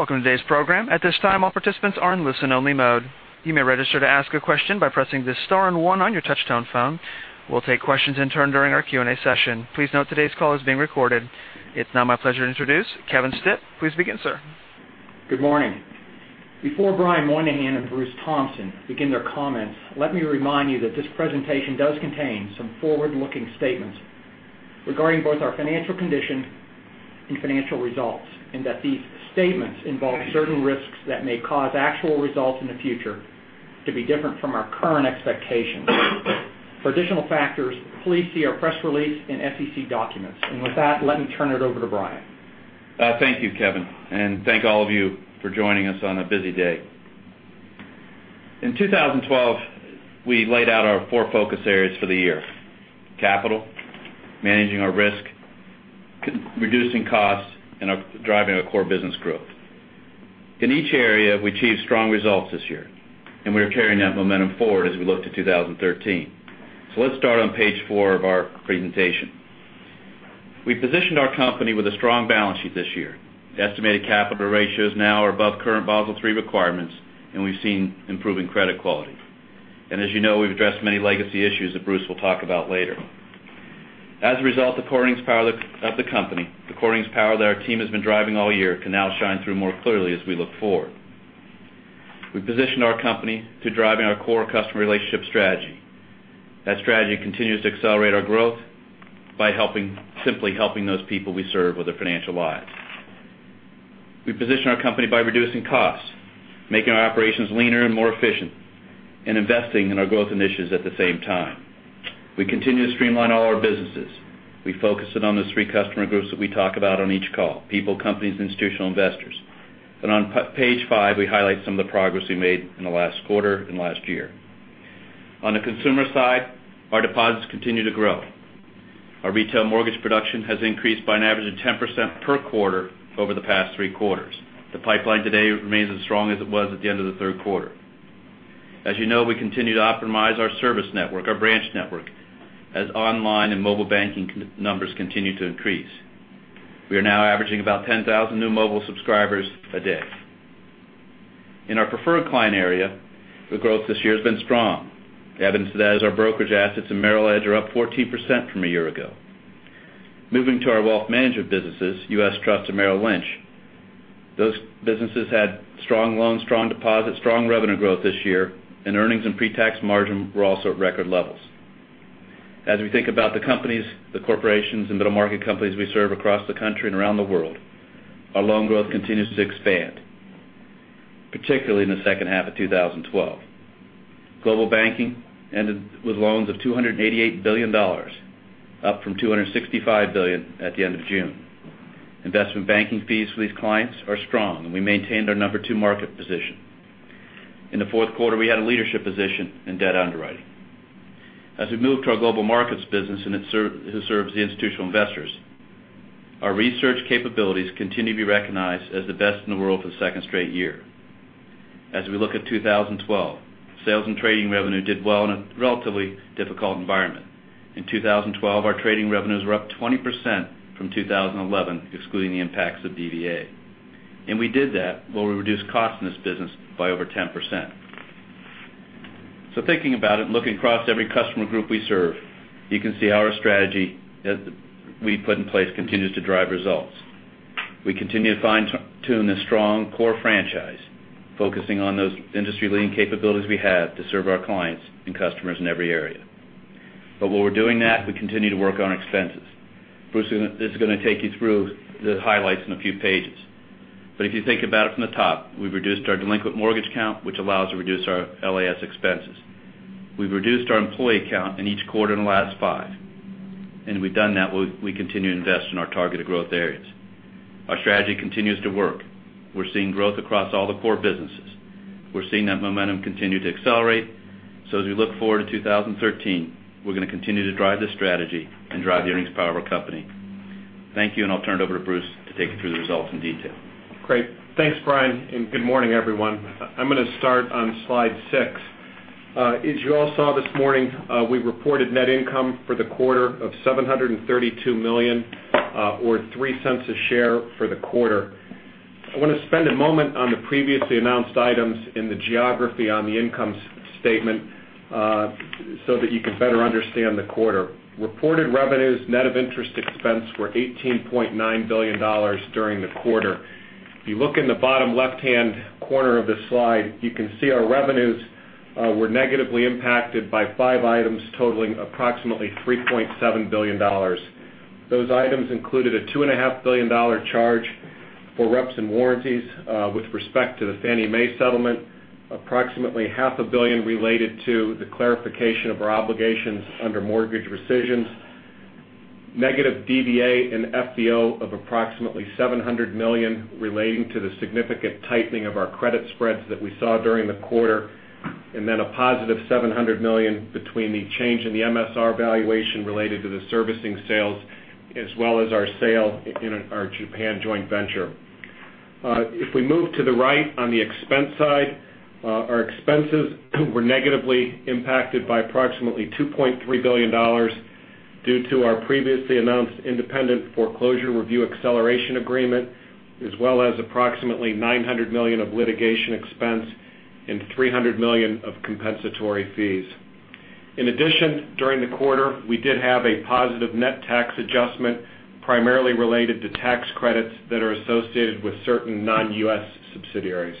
Welcome to today's program. At this time, all participants are in listen only mode. You may register to ask a question by pressing the star and 1 on your touch-tone phone. We'll take questions in turn during our Q&A session. Please note today's call is being recorded. It's now my pleasure to introduce Kevin Stitt. Please begin, sir. Good morning. Before Brian Moynihan and Bruce Thompson begin their comments, let me remind you that this presentation does contain some forward-looking statements regarding both our financial condition and financial results, and that these statements involve certain risks that may cause actual results in the future to be different from our current expectations. For additional factors, please see our press release and SEC documents. With that, let me turn it over to Brian. Thank you, Kevin. Thank all of you for joining us on a busy day. In 2012, we laid out our four focus areas for the year: capital, managing our risk, reducing costs, and driving our core business growth. In each area, we achieved strong results this year, and we are carrying that momentum forward as we look to 2013. Let's start on page four of our presentation. We positioned our company with a strong balance sheet this year. The estimated capital ratios now are above current Basel III requirements, and we've seen improving credit quality. As you know, we've addressed many legacy issues that Bruce will talk about later. As a result, the core earnings power of the company, the core earnings power that our team has been driving all year, can now shine through more clearly as we look forward. We position our company to driving our core customer relationship strategy. That strategy continues to accelerate our growth by simply helping those people we serve with their financial lives. We position our company by reducing costs, making our operations leaner and more efficient, and investing in our growth initiatives at the same time. We continue to streamline all our businesses. We focus it on those three customer groups that we talk about on each call: people, companies, institutional investors. On page five, we highlight some of the progress we made in the last quarter and last year. On the consumer side, our deposits continue to grow. Our retail mortgage production has increased by an average of 10% per quarter over the past three quarters. The pipeline today remains as strong as it was at the end of the third quarter. As you know, we continue to optimize our service network, our branch network, as online and mobile banking numbers continue to increase. We are now averaging about 10,000 new mobile subscribers a day. In our preferred client area, the growth this year has been strong. The evidence of that is our brokerage assets in Merrill Edge are up 14% from a year ago. Moving to our wealth management businesses, U.S. Trust and Merrill Lynch. Those businesses had strong loans, strong deposits, strong revenue growth this year, and earnings and pre-tax margin were also at record levels. As we think about the companies, the corporations, and middle-market companies we serve across the country and around the world, our loan growth continues to expand, particularly in the second half of 2012. Global Banking ended with loans of $288 billion, up from $265 billion at the end of June. Investment banking fees for these clients are strong, we maintained our number 2 market position. In the fourth quarter, we had a leadership position in debt underwriting. As we move to our Global Markets business, it serves the institutional investors, our research capabilities continue to be recognized as the best in the world for the second straight year. As we look at 2012, sales and trading revenue did well in a relatively difficult environment. In 2012, our trading revenues were up 20% from 2011, excluding the impacts of DVA. We did that while we reduced cost in this business by over 10%. Thinking about it and looking across every customer group we serve, you can see our strategy that we put in place continues to drive results. We continue to fine-tune this strong core franchise, focusing on those industry-leading capabilities we have to serve our clients and customers in every area. While we're doing that, we continue to work on expenses. Bruce is going to take you through the highlights in a few pages. If you think about it from the top, we've reduced our delinquent mortgage count, which allows to reduce our LAS expenses. We've reduced our employee count in each quarter in the last 5, we've done that while we continue to invest in our targeted growth areas. Our strategy continues to work. We're seeing growth across all the core businesses. We're seeing that momentum continue to accelerate. As we look forward to 2013, we're going to continue to drive this strategy and drive the core earnings power of our company. Thank you, I'll turn it over to Bruce to take you through the results in detail. Great. Thanks, Brian, and good morning, everyone. I'm going to start on slide six. As you all saw this morning, we reported net income for the quarter of $732 million, or $0.03 a share for the quarter. I want to spend a moment on the previously announced items in the geography on the income statement, so that you can better understand the quarter. Reported revenues, net of interest expense, were $18.9 billion during the quarter. If you look in the bottom left-hand corner of the slide, you can see our revenues were negatively impacted by five items totaling approximately $3.7 billion. Those items included a $2.5 billion charge for reps and warranties, with respect to the Fannie Mae settlement. Approximately half a billion related to the clarification of our obligations under mortgage rescissions. Negative DVA and FVO of approximately $700 million relating to the significant tightening of our credit spreads that we saw during the quarter. A positive $700 million between the change in the MSR valuation related to the servicing sales as well as our sale in our Japan joint venture. If we move to the right on the expense side, our expenses were negatively impacted by approximately $2.3 billion. Due to our previously announced Independent Foreclosure Review Acceleration Agreement, as well as approximately $900 million of litigation expense and $300 million of compensatory fees. In addition, during the quarter, we did have a positive net tax adjustment, primarily related to tax credits that are associated with certain non-U.S. subsidiaries.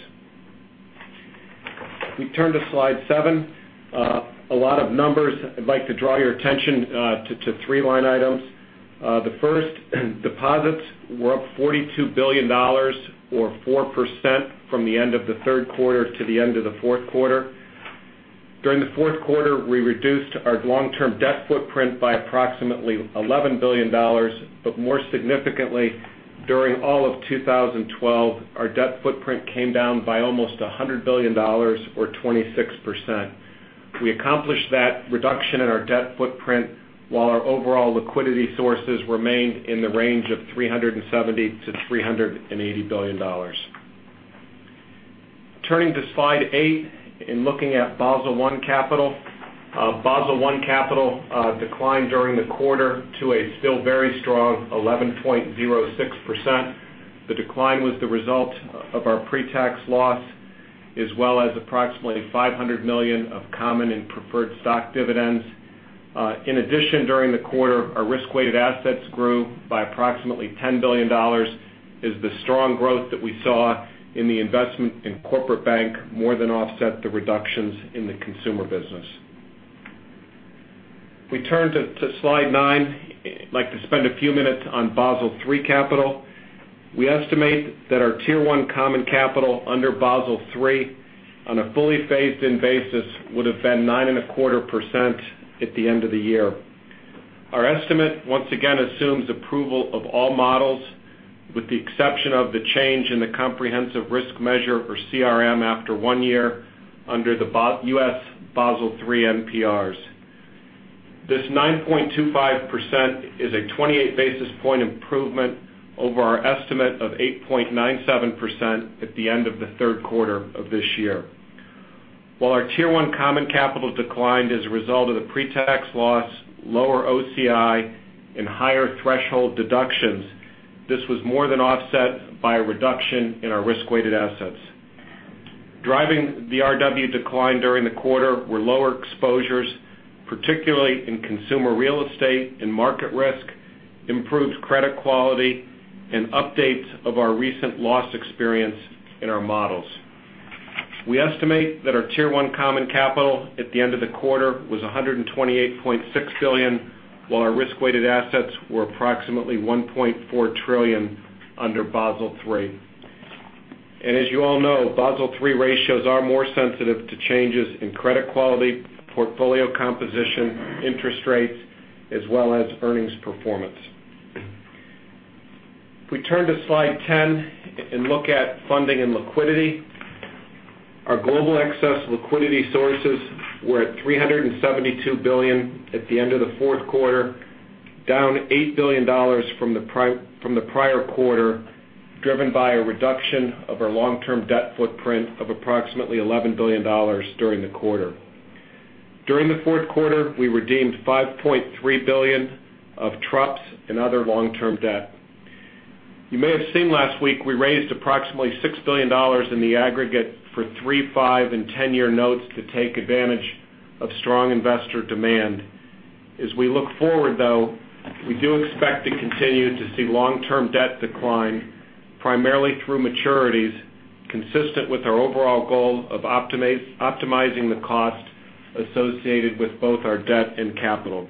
If we turn to slide seven, a lot of numbers. I'd like to draw your attention to three line items. The first, deposits were up $42 billion or 4% from the end of the third quarter to the end of the fourth quarter. During the fourth quarter, we reduced our long-term debt footprint by approximately $11 billion. More significantly, during all of 2012, our debt footprint came down by almost $100 billion or 26%. We accomplished that reduction in our debt footprint while our overall liquidity sources remained in the range of $370 billion-$380 billion. Turning to slide eight, in looking at Basel I capital. Basel I capital declined during the quarter to a still very strong 11.06%. The decline was the result of our pre-tax loss, as well as approximately $500 million of common and preferred stock dividends. In addition, during the quarter, our risk-weighted assets grew by approximately $10 billion as the strong growth that we saw in the investment in Corporate Bank more than offset the reductions in the consumer business. If we turn to slide nine, I'd like to spend a few minutes on Basel III capital. We estimate that our Tier 1 common capital under Basel III on a fully phased-in basis would've been 9.25% at the end of the year. Our estimate once again assumes approval of all models, with the exception of the change in the comprehensive risk measure or CRM after one year under the U.S. Basel III NPRs. This 9.25% is a 28-basis point improvement over our estimate of 8.97% at the end of the third quarter of this year. While our Tier 1 common capital declined as a result of the pre-tax loss, lower OCI, and higher threshold deductions, this was more than offset by a reduction in our risk-weighted assets. Driving the RWA decline during the quarter were lower exposures, particularly in consumer real estate and market risk, improved credit quality, and updates of our recent loss experience in our models. We estimate that our Tier 1 common capital at the end of the quarter was $128.6 billion, while our risk-weighted assets were approximately $1.4 trillion under Basel III. As you all know, Basel III ratios are more sensitive to changes in credit quality, portfolio composition, interest rates, as well as earnings performance. If we turn to slide 10 and look at funding and liquidity. Our global excess liquidity sources were at $372 billion at the end of the fourth quarter, down $8 billion from the prior quarter, driven by a reduction of our long-term debt footprint of approximately $11 billion during the quarter. During the fourth quarter, we redeemed $5.3 billion of trusts and other long-term debt. You may have seen last week we raised approximately $6 billion in the aggregate for three, five, and 10-year notes to take advantage of strong investor demand. As we look forward, though, we do expect to continue to see long-term debt decline primarily through maturities consistent with our overall goal of optimizing the cost associated with both our debt and capital.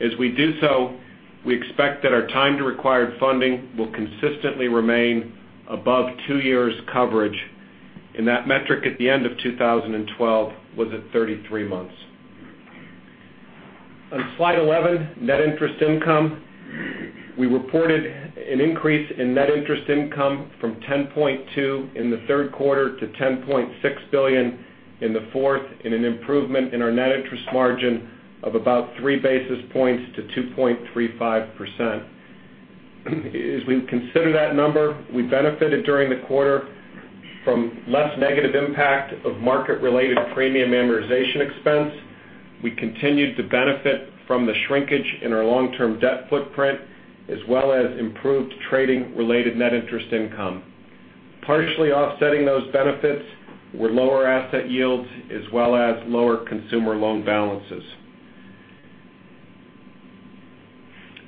As we do so, we expect that our time to required funding will consistently remain above two years coverage, and that metric at the end of 2012 was at 33 months. On slide 11, net interest income. We reported an increase in net interest income from $10.2 billion in the third quarter to $10.6 billion in the fourth, in an improvement in our net interest margin of about three basis points to 2.35%. As we consider that number, we benefited during the quarter from less negative impact of market-related premium amortization expense. We continued to benefit from the shrinkage in our long-term debt footprint, as well as improved trading-related net interest income. Partially offsetting those benefits were lower asset yields, as well as lower consumer loan balances.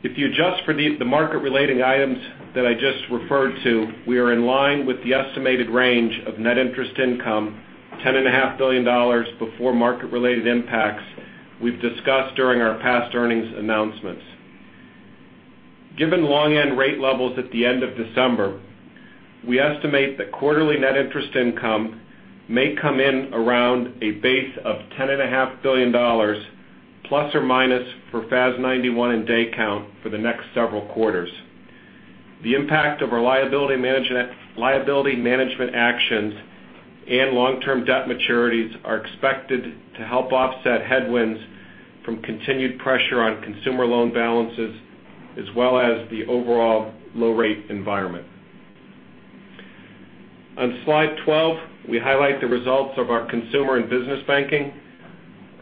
If you adjust for the market-related items that I just referred to, we are in line with the estimated range of net interest income, $10.5 billion before market-related impacts we've discussed during our past earnings announcements. Given long-end rate levels at the end of December, we estimate that quarterly net interest income may come in around a base of $10.5 billion, plus or minus for FAS 91 and day count for the next several quarters. The impact of our liability management actions and long-term debt maturities are expected to help offset headwinds from continued pressure on consumer loan balances, as well as the overall low rate environment. On slide 12, we highlight the results of our Consumer Banking and business banking.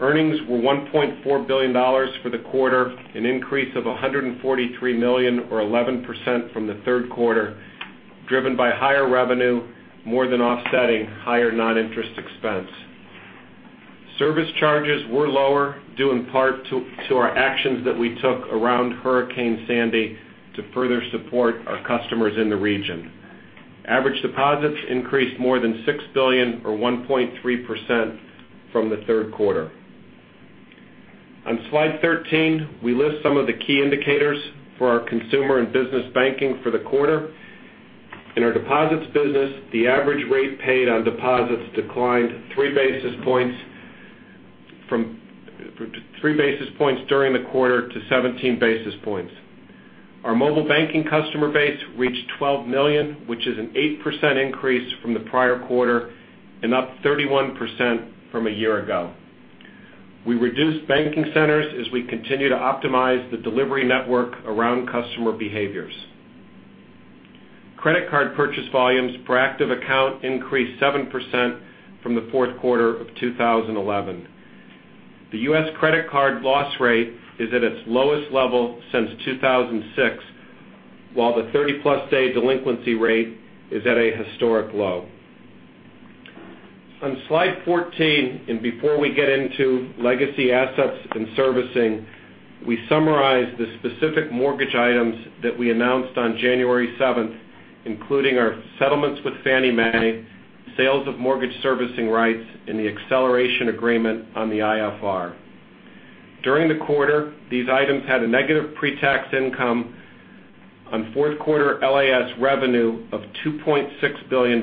Earnings were $1.4 billion for the quarter, an increase of $143 million or 11% from the third quarter, driven by higher revenue, more than offsetting higher non-interest expense. Service charges were lower, due in part to our actions that we took around Hurricane Sandy to further support our customers in the region. Average deposits increased more than $6 billion or 1.3% from the third quarter. On slide 13, we list some of the key indicators for our consumer and business banking for the quarter. In our deposits business, the average rate paid on deposits declined three basis points during the quarter to 17 basis points. Our mobile banking customer base reached 12 million, which is an 8% increase from the prior quarter and up 31% from a year ago. We reduced banking centers as we continue to optimize the delivery network around customer behaviors. Credit card purchase volumes per active account increased 7% from the fourth quarter of 2011. The U.S. credit card loss rate is at its lowest level since 2006, while the 30-plus day delinquency rate is at a historic low. On slide 14, before we get into legacy assets and servicing, we summarize the specific mortgage items that we announced on January 7th, including our settlements with Fannie Mae, sales of mortgage servicing rights, and the acceleration agreement on the IFR. During the quarter, these items had a negative pre-tax income on fourth quarter LAS revenue of $2.6 billion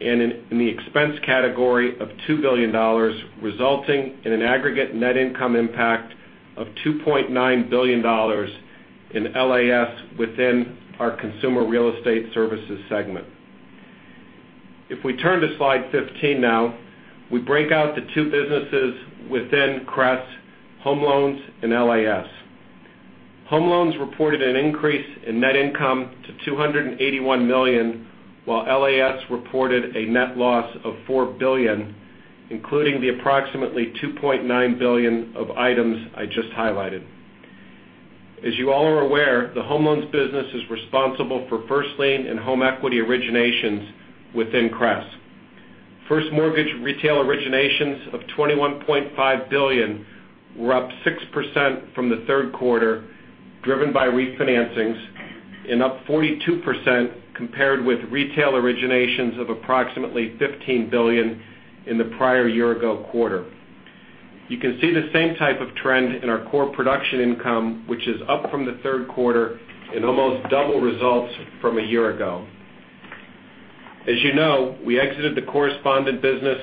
and in the expense category of $2 billion, resulting in an aggregate net income impact of $2.9 billion in LAS within our consumer real estate services segment. If we turn to slide 15 now, we break out the two businesses within CRES: home loans and LAS. Home loans reported an increase in net income to $281 million, while LAS reported a net loss of $4 billion, including the approximately $2.9 billion of items I just highlighted. As you all are aware, the home loans business is responsible for first lien and home equity originations within CRES. First mortgage retail originations of $21.5 billion were up 6% from the third quarter, driven by refinancings and up 42% compared with retail originations of approximately $15 billion in the prior year-ago quarter. You can see the same type of trend in our core production income, which is up from the third quarter and almost double results from a year ago. As you know, we exited the correspondent business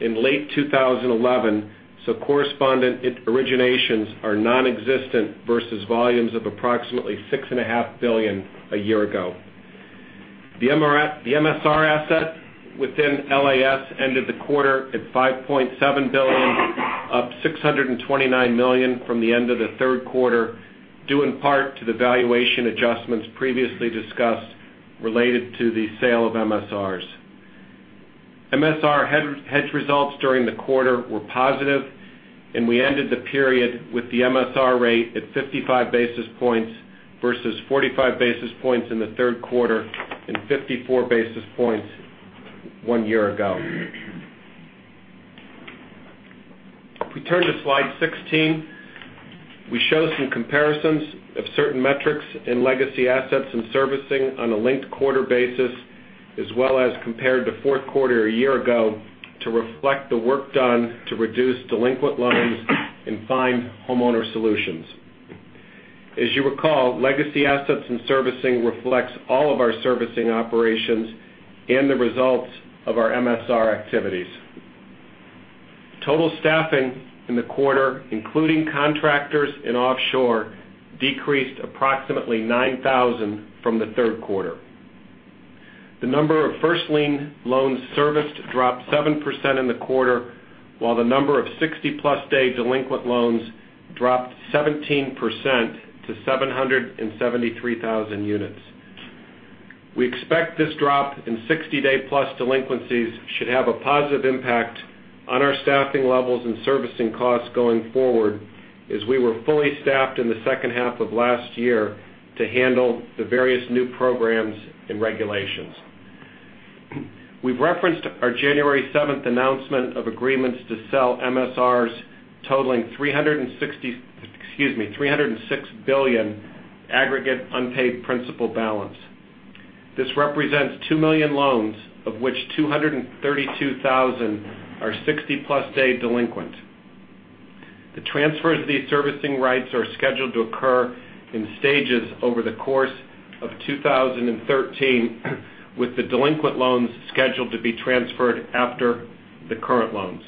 in late 2011, so correspondent originations are nonexistent versus volumes of approximately $6.5 billion a year ago. The MSR asset within LAS ended the quarter at $5.7 billion, up $629 million from the end of the third quarter, due in part to the valuation adjustments previously discussed related to the sale of MSRs. MSR hedge results during the quarter were positive, and we ended the period with the MSR rate at 55 basis points versus 45 basis points in the third quarter and 54 basis points one year ago. If we turn to slide 16, we show some comparisons of certain metrics in legacy assets and servicing on a linked-quarter basis, as well as compared to fourth quarter a year ago, to reflect the work done to reduce delinquent loans and find homeowner solutions. As you recall, legacy assets and servicing reflects all of our servicing operations and the results of our MSR activities. Total staffing in the quarter, including contractors and offshore, decreased approximately 9,000 from the third quarter. The number of first-lien loans serviced dropped 7% in the quarter, while the number of 60-plus day delinquent loans dropped 17% to 773,000 units. We expect this drop in 60-day-plus delinquencies should have a positive impact on our staffing levels and servicing costs going forward, as we were fully staffed in the second half of last year to handle the various new programs and regulations. We've referenced our January 7th announcement of agreements to sell MSRs totaling $306 billion aggregate unpaid principal balance. This represents 2 million loans, of which 232,000 are 60-plus day delinquent. The transfer of these servicing rights are scheduled to occur in stages over the course of 2013, with the delinquent loans scheduled to be transferred after the current loans.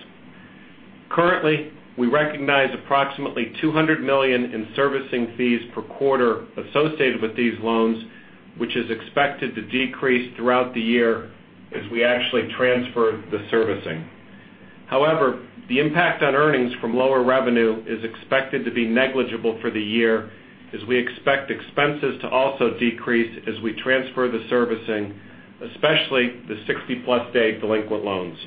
Currently, we recognize approximately $200 million in servicing fees per quarter associated with these loans, which is expected to decrease throughout the year as we actually transfer the servicing. The impact on earnings from lower revenue is expected to be negligible for the year as we expect expenses to also decrease as we transfer the servicing, especially the 60-plus day delinquent loans.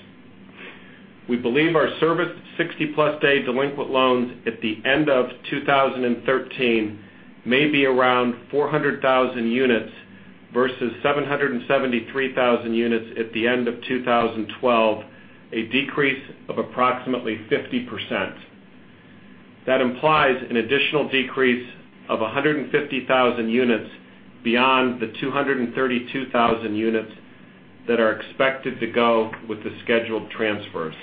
We believe our service 60-plus day delinquent loans at the end of 2013 may be around 400,000 units versus 773,000 units at the end of 2012, a decrease of approximately 50%. That implies an additional decrease of 150,000 units beyond the 232,000 units that are expected to go with the scheduled transfers.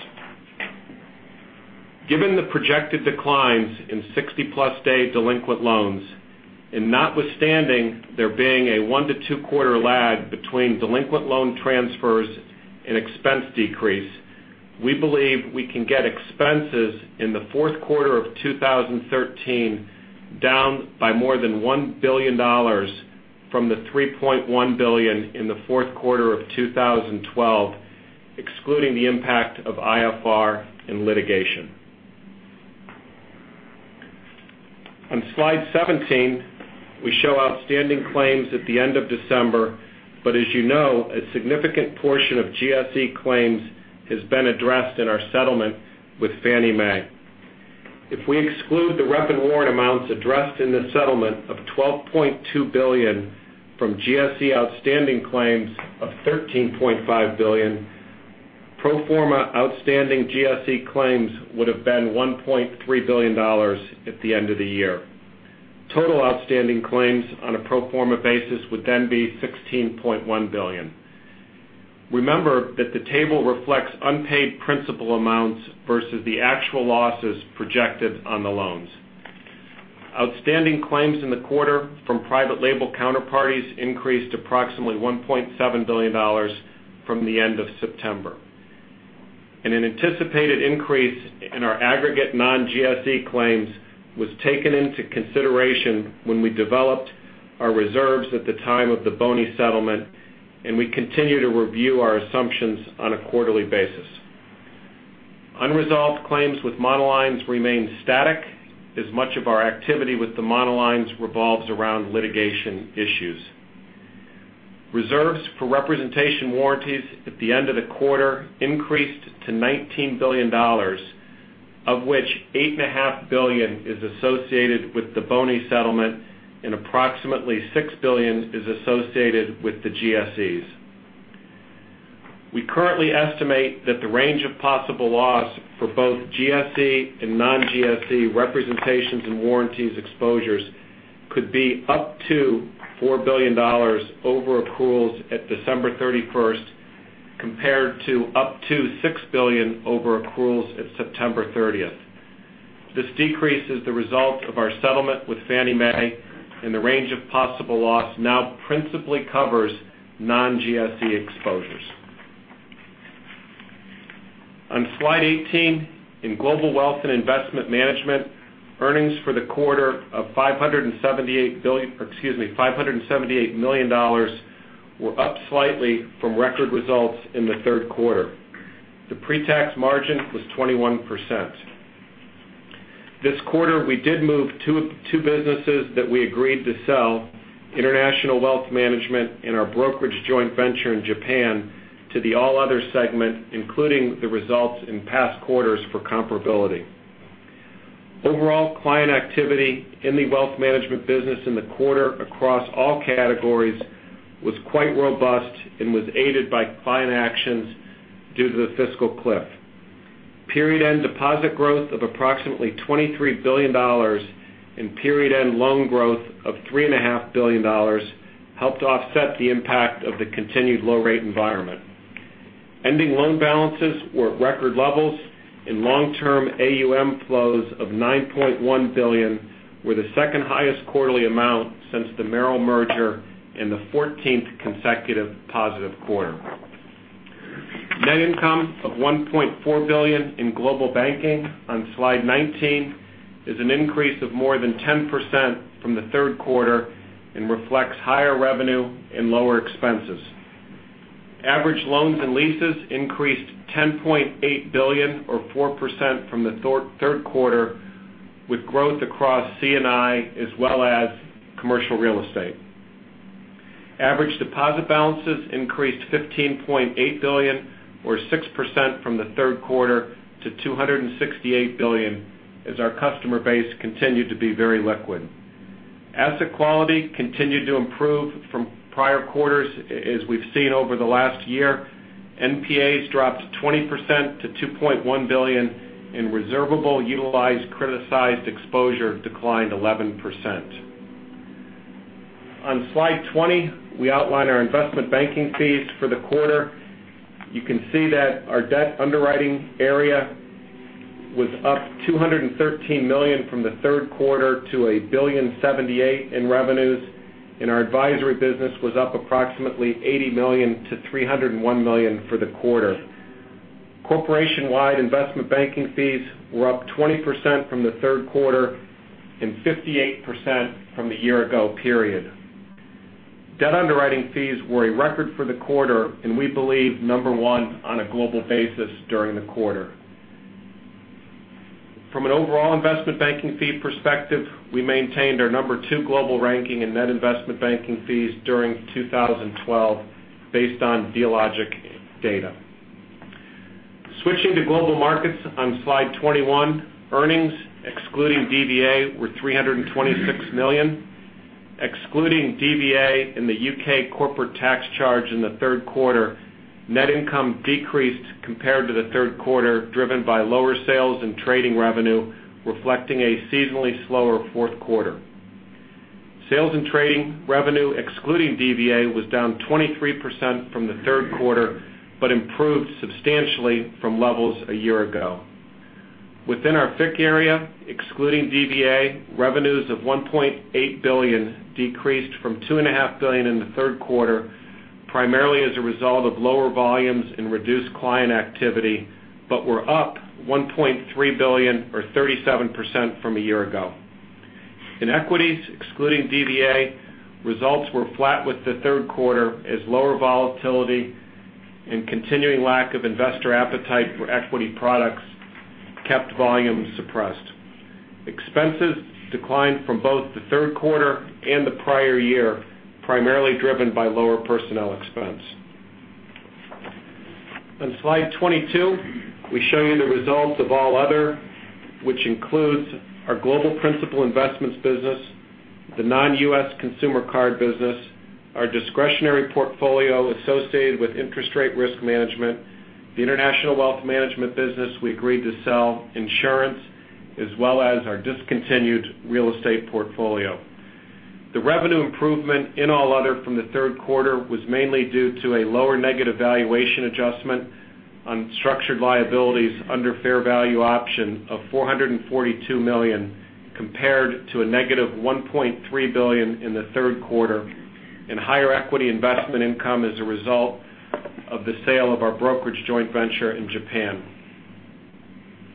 Given the projected declines in 60-plus day delinquent loans, and notwithstanding there being a one to two quarter lag between delinquent loan transfers and expense decrease, we believe we can get expenses in the fourth quarter of 2013 down by more than $1 billion from the $3.1 billion in the fourth quarter of 2012, excluding the impact of IFR and litigation. On slide 17, we show outstanding claims at the end of December, as you know, a significant portion of GSE claims has been addressed in our settlement with Fannie Mae. If we exclude the rep and warrant amounts addressed in the settlement of $12.2 billion from GSE outstanding claims of $13.5 billion, pro forma outstanding GSE claims would've been $1.3 billion at the end of the year. Total outstanding claims on a pro forma basis would be $16.1 billion. Remember that the table reflects unpaid principal amounts versus the actual losses projected on the loans. Outstanding claims in the quarter from private label counterparties increased approximately $1.7 billion from the end of September. An anticipated increase in our aggregate non-GSE claims was taken into consideration when we developed our reserves at the time of the Gibbs & Bruns settlement, and we continue to review our assumptions on a quarterly basis. Unresolved claims with monolines remain static as much of our activity with the monolines revolves around litigation issues. Reserves for representation and warranties at the end of the quarter increased to $19 billion, of which $8.5 billion is associated with the Gibbs & Bruns settlement and approximately $6 billion is associated with the GSEs. We currently estimate that the range of possible loss for both GSE and non-GSE representations and warranties exposures could be up to $4 billion over accruals at December 31st, compared to up to $6 billion over accruals at September 30th. This decrease is the result of our settlement with Fannie Mae, and the range of possible loss now principally covers non-GSE exposures. On slide 18, in Global Wealth and Investment Management, earnings for the quarter of $578 million were up slightly from record results in the third quarter. The pre-tax margin was 21%. This quarter, we did move two businesses that we agreed to sell, International Wealth Management and our brokerage joint venture in Japan, to the all other segment, including the results in past quarters for comparability. Overall client activity in the wealth management business in the quarter across all categories was quite robust and was aided by client actions due to the fiscal cliff. Period-end deposit growth of approximately $23 billion and period-end loan growth of $3.5 billion helped offset the impact of the continued low rate environment. Ending loan balances were at record levels, and long-term AUM flows of $9.1 billion were the second highest quarterly amount since the Merrill merger and the 14th consecutive positive quarter. Net income of $1.4 billion in Global Banking on slide 19 is an increase of more than 10% from the third quarter and reflects higher revenue and lower expenses. Average loans and leases increased $10.8 billion or 4% from the third quarter, with growth across C&I as well as commercial real estate. Average deposit balances increased $15.8 billion or 6% from the third quarter to $268 billion as our customer base continued to be very liquid. Asset quality continued to improve from prior quarters as we've seen over the last year. NPAs dropped 20% to $2.1 billion, and reservable utilized criticized exposure declined 11%. On slide 20, we outline our investment banking fees for the quarter. You can see that our debt underwriting area was up $213 million from the third quarter to $1.078 billion in revenues, and our advisory business was up approximately $80 million to $301 million for the quarter. Corporation-wide investment banking fees were up 20% from the third quarter and 58% from the year ago period. Debt underwriting fees were a record for the quarter, and we believe number one on a global basis during the quarter. From an overall investment banking fee perspective, we maintained our number two global ranking in net investment banking fees during 2012 based on Dealogic data. Switching to Global Markets on slide 21, earnings excluding DVA were $326 million. Excluding DVA in the U.K. corporate tax charge in the third quarter, net income decreased compared to the third quarter, driven by lower sales and trading revenue, reflecting a seasonally slower fourth quarter. Sales and trading revenue, excluding DVA, was down 23% from the third quarter, but improved substantially from levels a year ago. Within our FIC area, excluding DVA, revenues of $1.8 billion decreased from $2.5 billion in the third quarter, primarily as a result of lower volumes and reduced client activity, but were up $1.3 billion or 37% from a year ago. In equities, excluding DVA, results were flat with the third quarter as lower volatility and continuing lack of investor appetite for equity products kept volumes suppressed. Expenses declined from both the third quarter and the prior year, primarily driven by lower personnel expense. On slide 22, we show you the results of all other, which includes our global principal investments business, the non-U.S. consumer card business, our discretionary portfolio associated with interest rate risk management, the International Wealth Management business we agreed to sell insurance, as well as our discontinued real estate portfolio. The revenue improvement in all other from the third quarter was mainly due to a lower negative valuation adjustment on structured liabilities under fair value option of $442 million, compared to a negative $1.3 billion in the third quarter, and higher equity investment income as a result of the sale of our brokerage joint venture in Japan.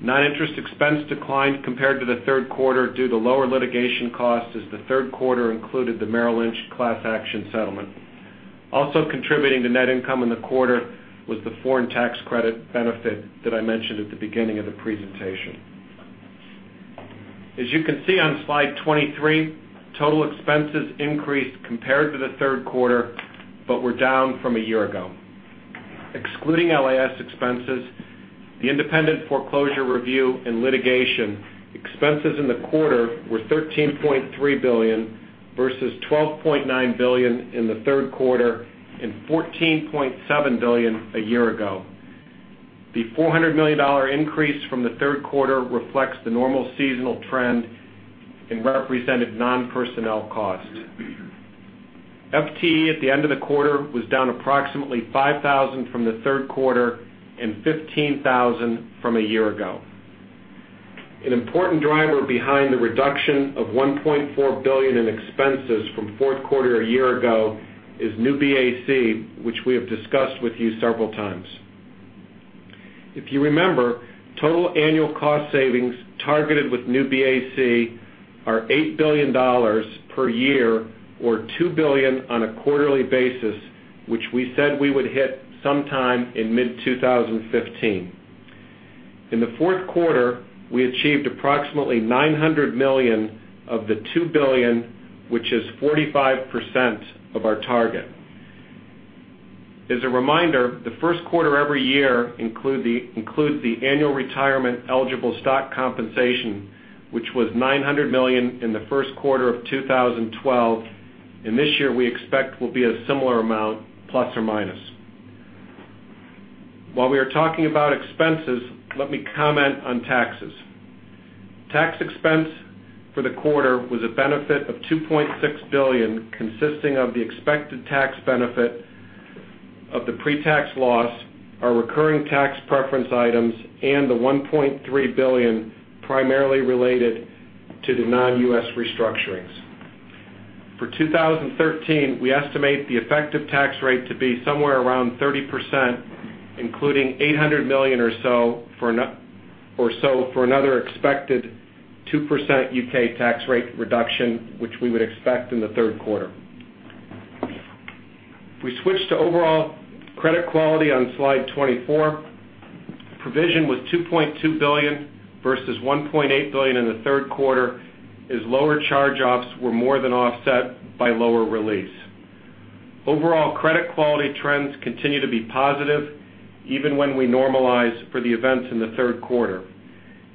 Non-interest expense declined compared to the third quarter due to lower litigation costs as the third quarter included the Merrill Lynch class action settlement. Also contributing to net income in the quarter was the foreign tax credit benefit that I mentioned at the beginning of the presentation. As you can see on slide 23, total expenses increased compared to the third quarter, but were down from a year ago. Excluding LAS expenses, the independent foreclosure review and litigation expenses in the quarter were $13.3 billion versus $12.9 billion in the third quarter and $14.7 billion a year ago. The $400 million increase from the third quarter reflects the normal seasonal trend and represented non-personnel cost. FTE at the end of the quarter was down approximately 5,000 from the third quarter and 15,000 from a year ago. An important driver behind the reduction of $1.4 billion in expenses from fourth quarter a year ago is New BAC, which we have discussed with you several times. If you remember, total annual cost savings targeted with New BAC are $8 billion per year or $2 billion on a quarterly basis, which we said we would hit sometime in mid-2015. In the fourth quarter, we achieved approximately $900 million of the $2 billion, which is 45% of our target. As a reminder, the first quarter every year includes the annual retirement eligible stock compensation, which was $900 million in the first quarter of 2012, and this year we expect will be a similar amount, plus or minus. While we are talking about expenses, let me comment on taxes. Tax expense for the quarter was a benefit of $2.6 billion, consisting of the expected tax benefit of the pre-tax loss, our recurring tax preference items, and the $1.3 billion primarily related to the non-U.S. restructurings. For 2013, we estimate the effective tax rate to be somewhere around 30%, including $800 million or so for another expected 2% U.K. tax rate reduction, which we would expect in the third quarter. If we switch to overall credit quality on slide 24, provision was $2.2 billion versus $1.8 billion in the third quarter as lower charge-offs were more than offset by lower release. Overall credit quality trends continue to be positive even when we normalize for the events in the third quarter.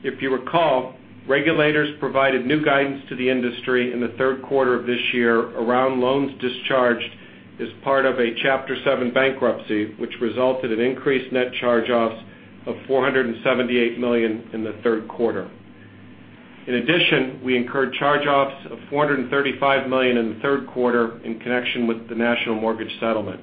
If you recall, regulators provided new guidance to the industry in the third quarter of this year around loans discharged as part of a Chapter 7 bankruptcy, which resulted in increased net charge-offs of $478 million in the third quarter. In addition, we incurred charge-offs of $435 million in the third quarter in connection with the national mortgage settlement.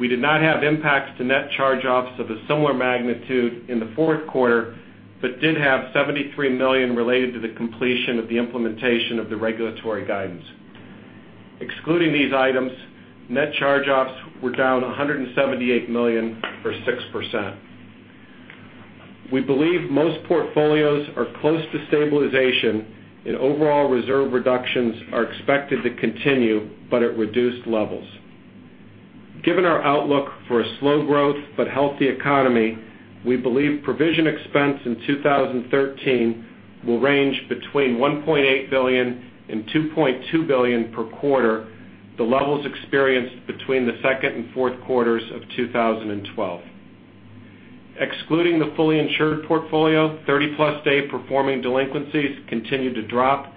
We did not have impacts to net charge-offs of a similar magnitude in the fourth quarter, but did have $73 million related to the completion of the implementation of the regulatory guidance. Excluding these items, net charge-offs were down $178 million or 6%. We believe most portfolios are close to stabilization, and overall reserve reductions are expected to continue, but at reduced levels. Given our outlook for a slow growth but healthy economy, we believe provision expense in 2013 will range between $1.8 billion and $2.2 billion per quarter, the levels experienced between the second and fourth quarters of 2012. Excluding the fully insured portfolio, 30-plus day performing delinquencies continued to drop.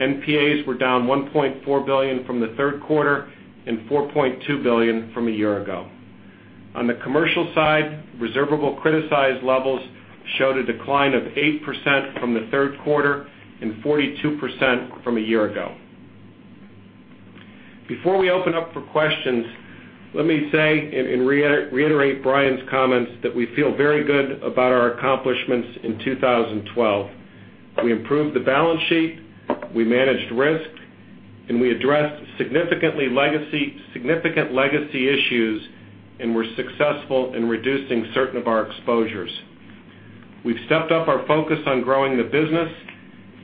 NPAs were down $1.4 billion from the third quarter, and $4.2 billion from a year ago. On the commercial side, reservable criticized levels showed a decline of 8% from the third quarter and 42% from a year ago. Before we open up for questions, let me say and reiterate Brian's comments that we feel very good about our accomplishments in 2012. We improved the balance sheet, we managed risk, and we addressed significant legacy issues, and were successful in reducing certain of our exposures. We've stepped up our focus on growing the business,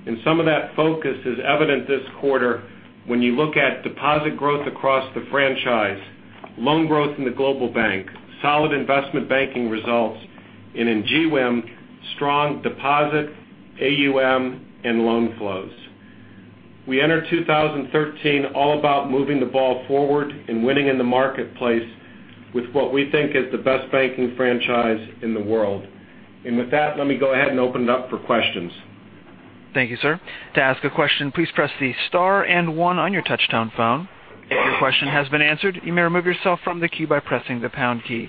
and some of that focus is evident this quarter when you look at deposit growth across the franchise, loan growth in the Global Banking, solid investment banking results, and in GWIM, strong deposits, AUM, and loan flows. We enter 2013 all about moving the ball forward and winning in the marketplace with what we think is the best banking franchise in the world. With that, let me go ahead and open it up for questions. Thank you, sir. To ask a question, please press the star and one on your touch-tone phone. If your question has been answered, you may remove yourself from the queue by pressing the pound key.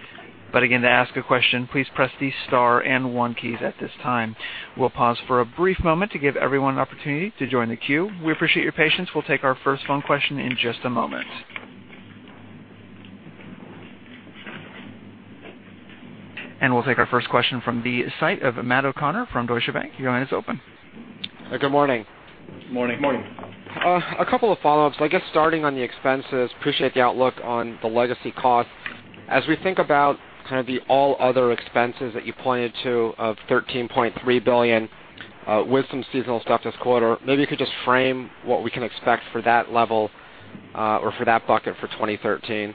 Again, to ask a question, please press the star and one keys at this time. We'll pause for a brief moment to give everyone an opportunity to join the queue. We appreciate your patience. We'll take our first phone question in just a moment. We'll take our first question from the site of Matthew O'Connor from Deutsche Bank. Your line is open. Good morning. Morning. Morning. A couple of follow-ups. I guess starting on the expenses, appreciate the outlook on the legacy cost. As we think about kind of the all other expenses that you pointed to of $13.3 billion, with some seasonal stuff this quarter, maybe you could just frame what we can expect for that level or for that bucket for 2013.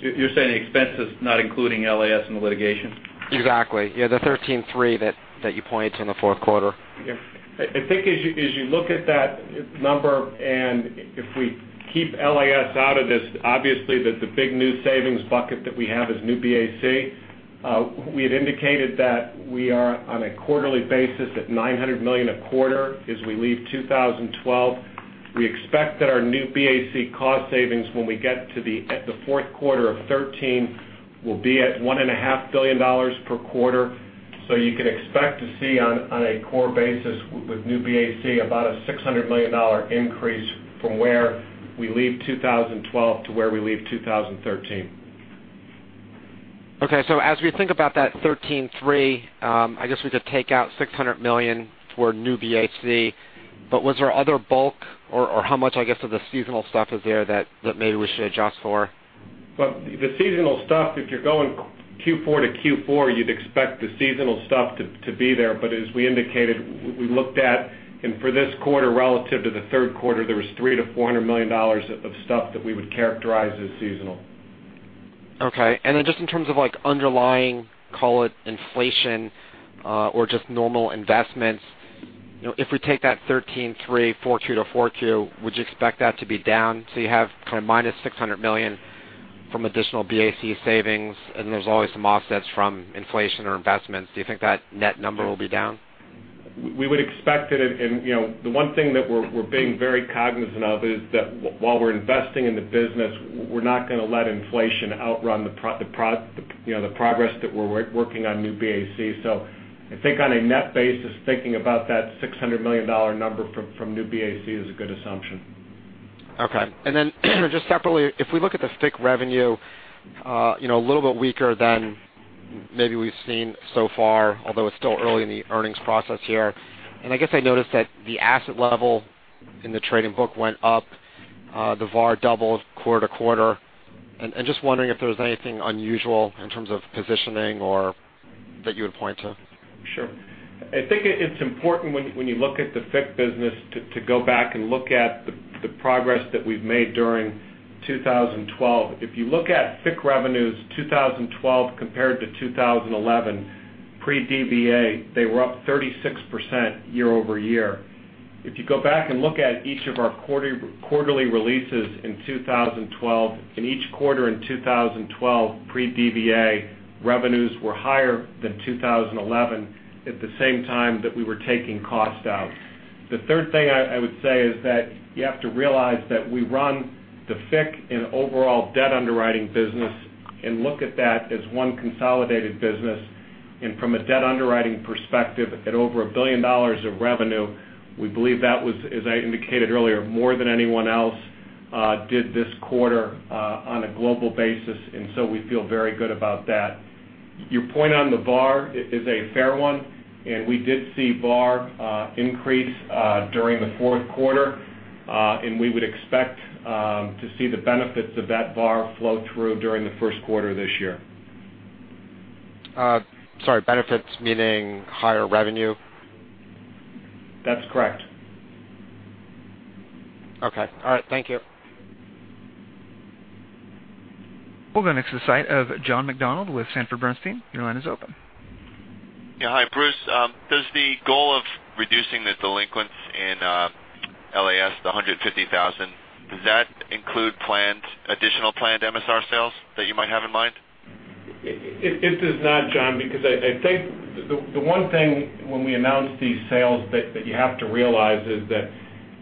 You're saying expenses not including LAS and the litigation? Exactly. Yeah, the $13.3 that you pointed to in the fourth quarter. Yeah. I think as you look at that number, if we keep LAS out of this, obviously, the big new savings bucket that we have is New BAC. We had indicated that we are on a quarterly basis at $900 million a quarter as we leave 2012. We expect that our New BAC cost savings, when we get to the fourth quarter of 2013, will be at $1.5 billion per quarter. You can expect to see on a core basis with New BAC about a $600 million increase from where we leave 2012 to where we leave 2013. As we think about that $13.3, I guess we could take out $600 million for New BAC. Was there other bulk, or how much, I guess, of the seasonal stuff is there that maybe we should adjust for? The seasonal stuff, if you're going Q4 to Q4, you'd expect the seasonal stuff to be there. As we indicated, we looked at, and for this quarter relative to the third quarter, there was $300 to $400 million of stuff that we would characterize as seasonal. Just in terms of underlying, call it inflation, or just normal investments, if we take that $13.3 4Q to 4Q, would you expect that to be down? You have minus $600 million from additional New BAC savings, and then there's always some offsets from inflation or investments. Do you think that net number will be down? We would expect it, and the one thing that we're being very cognizant of is that while we're investing in the business, we're not going to let inflation outrun the progress that we're working on New BAC. I think on a net basis, thinking about that $600 million number from New BAC is a good assumption. Okay. Just separately, if we look at the FICC revenue, a little bit weaker than maybe we've seen so far, although it's still early in the earnings process here. I guess I noticed that the asset level in the trading book went up. The VaR doubled quarter-to-quarter. Just wondering if there was anything unusual in terms of positioning or that you would point to. Sure. I think it's important when you look at the FICC business to go back and look at the progress that we've made during 2012. If you look at FICC revenues 2012 compared to 2011, pre-DVA, they were up 36% year-over-year. If you go back and look at each of our quarterly releases in 2012, in each quarter in 2012, pre-DVA, revenues were higher than 2011 at the same time that we were taking cost out. The third thing I would say is that you have to realize that we run the FICC and overall debt underwriting business and look at that as one consolidated business. From a debt underwriting perspective, at over $1 billion of revenue, we believe that was, as I indicated earlier, more than anyone else did this quarter on a global basis. We feel very good about that. Your point on the VaR is a fair one, and we did see VaR increase during the fourth quarter. We would expect to see the benefits of that VaR flow through during the first quarter of this year. Sorry, benefits meaning higher revenue? That's correct. Okay. All right, thank you. We'll go next to the site of John McDonald with Sanford Bernstein. Your line is open. Yeah. Hi, Bruce. Does the goal of reducing the delinquents in LAS, the 150,000, does that include additional planned MSR sales that you might have in mind? It does not, John, because I think the one thing when we announce these sales that you have to realize is that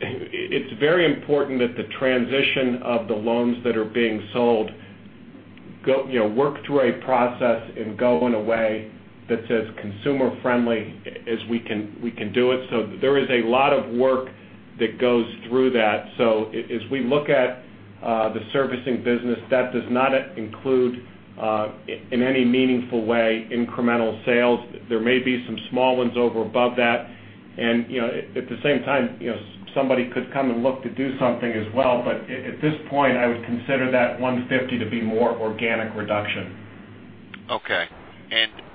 it's very important that the transition of the loans that are being sold work through a process and go in a way that's as consumer-friendly as we can do it. There is a lot of work that goes through that. As we look at the servicing business, that does not include, in any meaningful way, incremental sales. There may be some small ones over above that. At the same time, somebody could come and look to do something as well. At this point, I would consider that 150 to be more organic reduction. Okay.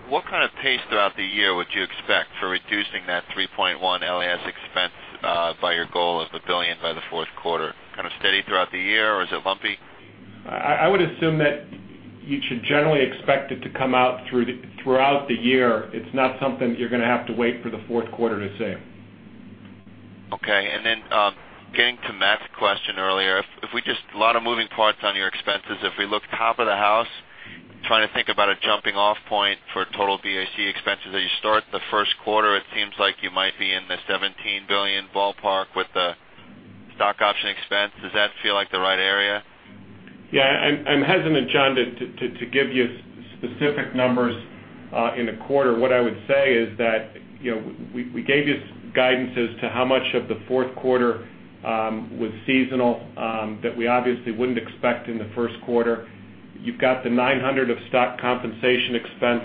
What kind of pace throughout the year would you expect for reducing that 3.1 LAS expense by your goal of $1 billion by the fourth quarter? Kind of steady throughout the year, or is it bumpy? I would assume that you should generally expect it to come out throughout the year. It's not something that you're going to have to wait for the fourth quarter to see. Okay. Then getting to Matt's question earlier. A lot of moving parts on your expenses. If we look top of the house, trying to think about a jumping-off point for total BAC expenses as you start the first quarter, it seems like you might be in the $17 billion ballpark with the stock option expense. Does that feel like the right area? Yeah. I'm hesitant, John, to give you specific numbers in a quarter. What I would say is that we gave you guidance as to how much of the fourth quarter was seasonal that we obviously wouldn't expect in the first quarter. You've got the $900 of stock compensation expense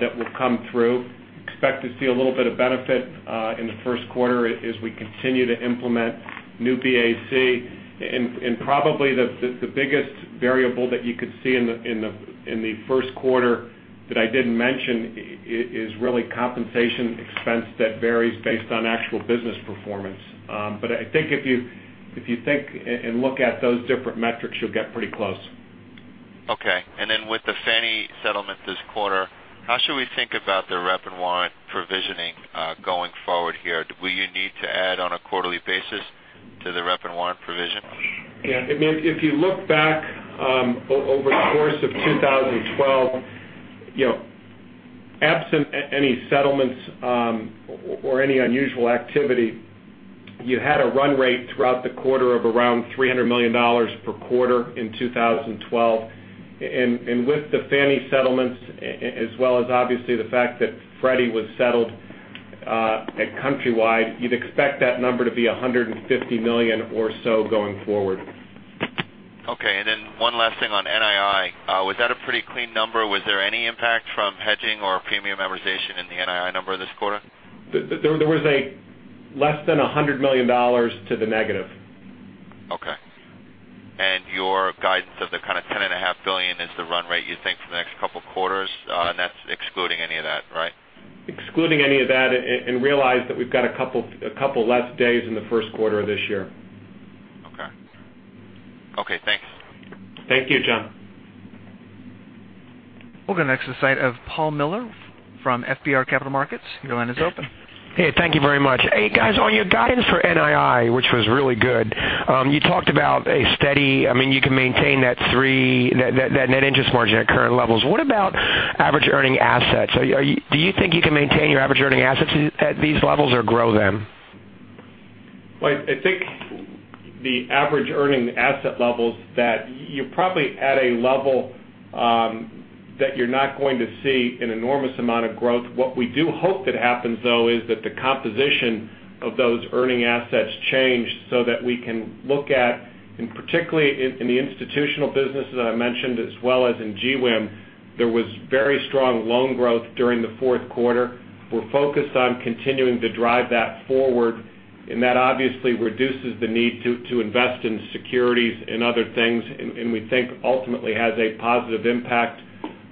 that will come through. Expect to see a little bit of benefit in the first quarter as we continue to implement Project New BAC. Probably the biggest variable that you could see in the first quarter that I didn't mention is really compensation expense that varies based on actual business performance. I think if you think and look at those different metrics, you'll get pretty close. Okay. Then with the Fannie Mae settlement this quarter, how should we think about the rep and warrant provisioning going forward here? Will you need to add on a quarterly basis to the rep and warrant provision? Yeah. If you look back over the course of 2012, absent any settlements or any unusual activity, you had a run rate throughout the quarter of around $300 million per quarter in 2012. With the Fannie Mae settlements, as well as obviously the fact that Freddie Mac was settled at Countrywide Financial, you'd expect that number to be $150 million or so going forward. Okay. Then one last thing on NII. Was that a pretty clean number? Was there any impact from hedging or premium amortization in the NII number this quarter? There was less than $100 million to the negative. Okay. Your guidance of the kind of $10.5 billion is the run rate you think for the next couple of quarters? That's excluding any of that, right? Excluding any of that. Realize that we've got a couple less days in the first quarter of this year. Okay. Okay, thanks. Thank you, John. We'll go next to the line of Paul Miller from FBR Capital Markets. Your line is open. Hey, thank you very much. Hey, guys, on your guidance for NII, which was really good, you talked about you can maintain that net interest margin at current levels. What about average earning assets? Do you think you can maintain your average earning assets at these levels or grow them? I think the average earning asset levels that you're probably at a level that you're not going to see an enormous amount of growth. What we do hope that happens, though, is that the composition of those earning assets change so that we can look at, and particularly in the institutional businesses that I mentioned, as well as in GWIM, there was very strong loan growth during the fourth quarter. We're focused on continuing to drive that forward, and that obviously reduces the need to invest in securities and other things, and we think ultimately has a positive impact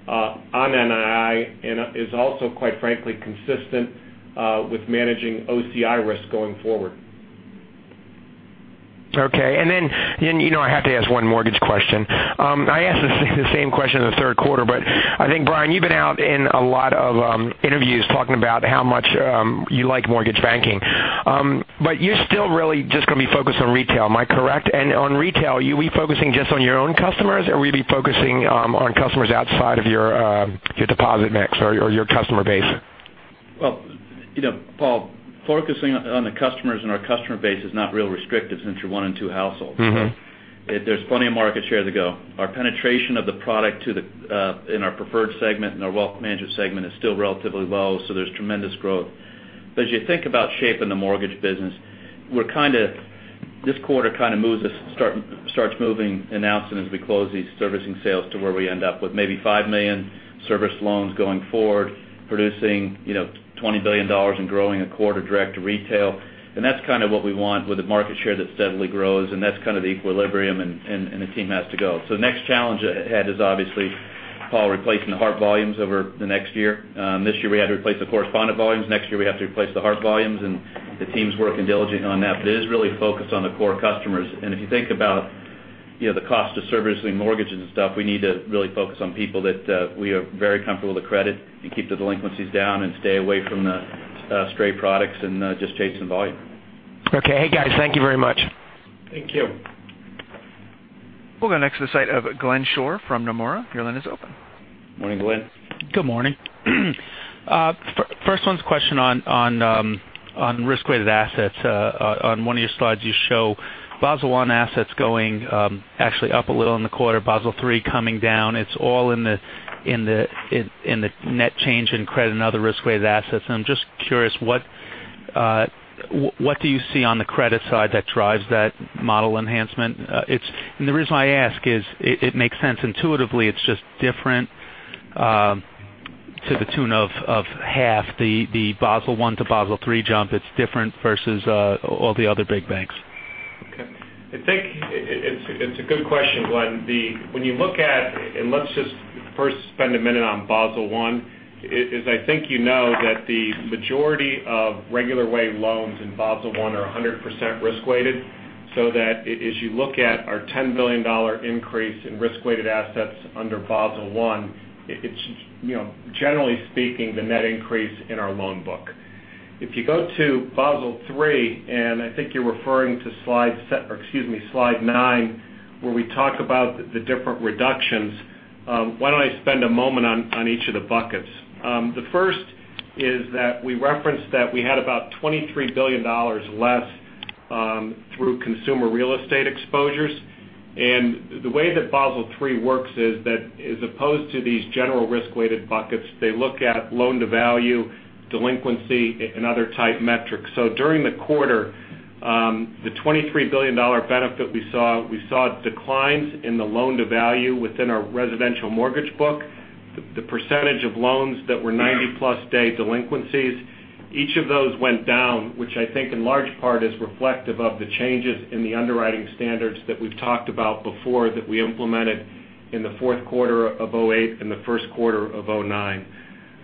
on NII and is also, quite frankly, consistent with managing OCI risk going forward. Okay. I have to ask one mortgage question. I asked the same question in the third quarter. I think, Brian, you've been out in a lot of interviews talking about how much you like mortgage banking. You're still really just going to be focused on retail. Am I correct? On retail, will you be focusing just on your own customers, or will you be focusing on customers outside of your deposit mix or your customer base? Well, Paul, focusing on the customers and our customer base is not real restrictive since you're one in two households. There's plenty of market share to go. Our penetration of the product in our preferred segment and our wealth management segment is still relatively low, so there's tremendous growth. As you think about shaping the mortgage business, we're kind of- This quarter kind of starts moving announcements as we close these servicing sales to where we end up with maybe 5 million serviced loans going forward, producing $20 billion and growing a quarter direct to retail. That's kind of what we want with a market share that steadily grows, and that's kind of the equilibrium, and the team has to go. The next challenge at hand is obviously, Paul, replacing the HARP volumes over the next year. This year we had to replace the correspondent volumes. Next year, we have to replace the HARP volumes, and the team's working diligently on that. It is really focused on the core customers. If you think about the cost of servicing mortgages and stuff, we need to really focus on people that we are very comfortable to credit and keep the delinquencies down and stay away from the stray products and just chasing volume. Okay. Hey, guys, thank you very much. Thank you. We'll go next to the side of Glenn Schorr from Nomura. Your line is open. Morning, Glenn. Good morning. First one's a question on risk-weighted assets. On one of your slides, you show Basel I assets going actually up a little in the quarter, Basel III coming down. It's all in the net change in credit and other risk-weighted assets. I'm just curious, what do you see on the credit side that drives that model enhancement? The reason I ask is, it makes sense intuitively it's just different to the tune of half the Basel I to Basel III jump. It's different versus all the other big banks. Okay. I think it's a good question, Glenn. When you look, let's just first spend a minute on Basel I. As I think you know that the majority of regular way loans in Basel I are 100% risk-weighted, so that as you look at our $10 billion increase in risk-weighted assets under Basel I, it's generally speaking, the net increase in our loan book. If you go to Basel III, I think you're referring to Slide 9, where we talk about the different reductions. Why don't I spend a moment on each of the buckets? The first is that we referenced that we had about $23 billion less through consumer real estate exposures. The way that Basel III works is that as opposed to these general risk-weighted buckets, they look at loan-to-value, delinquency, and other type metrics. During the quarter, the $23 billion benefit we saw declines in the loan-to-value within our residential mortgage book. The percentage of loans that were 90-plus day delinquencies, each of those went down, which I think in large part is reflective of the changes in the underwriting standards that we've talked about before, that we implemented in the fourth quarter of 2008 and the first quarter of 2009.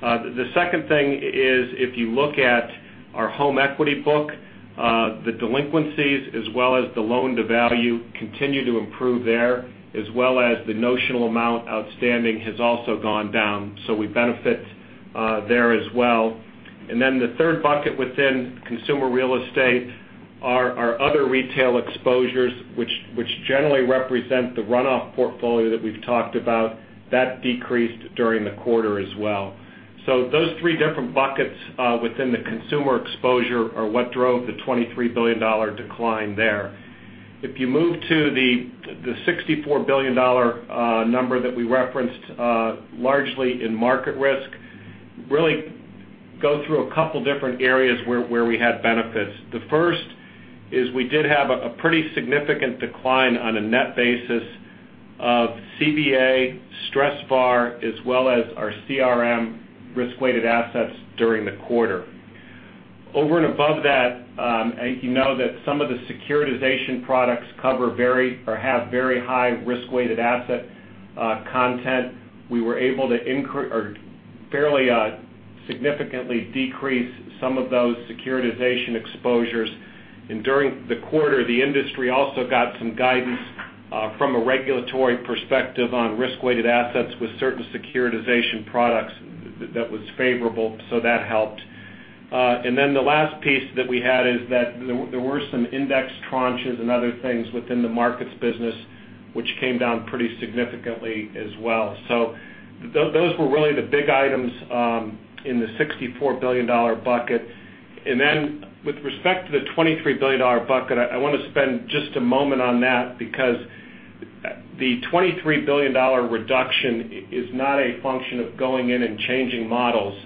The second thing is, if you look at our home equity book, the delinquencies as well as the loan-to-value continue to improve there, as well as the notional amount outstanding has also gone down. We benefit there as well. The third bucket within consumer real estate are our other retail exposures, which generally represent the runoff portfolio that we've talked about. That decreased during the quarter as well. Those three different buckets within the consumer exposure are what drove the $23 billion decline there. If you move to the $64 billion number that we referenced largely in market risk, really go through a couple different areas where we had benefits. The first is we did have a pretty significant decline on a net basis of CVA, stressed VaR, as well as our CRM risk-weighted assets during the quarter. Over and above that, you know that some of the securitization products have very high risk-weighted asset content. We were able to fairly significantly decrease some of those securitization exposures. During the quarter, the industry also got some guidance from a regulatory perspective on risk-weighted assets with certain securitization products that was favorable. That helped. The last piece that we had is that there were some index tranches and other things within the markets business, which came down pretty significantly as well. Those were really the big items in the $64 billion bucket. With respect to the $23 billion bucket, I want to spend just a moment on that because the $23 billion reduction is not a function of going in and changing models.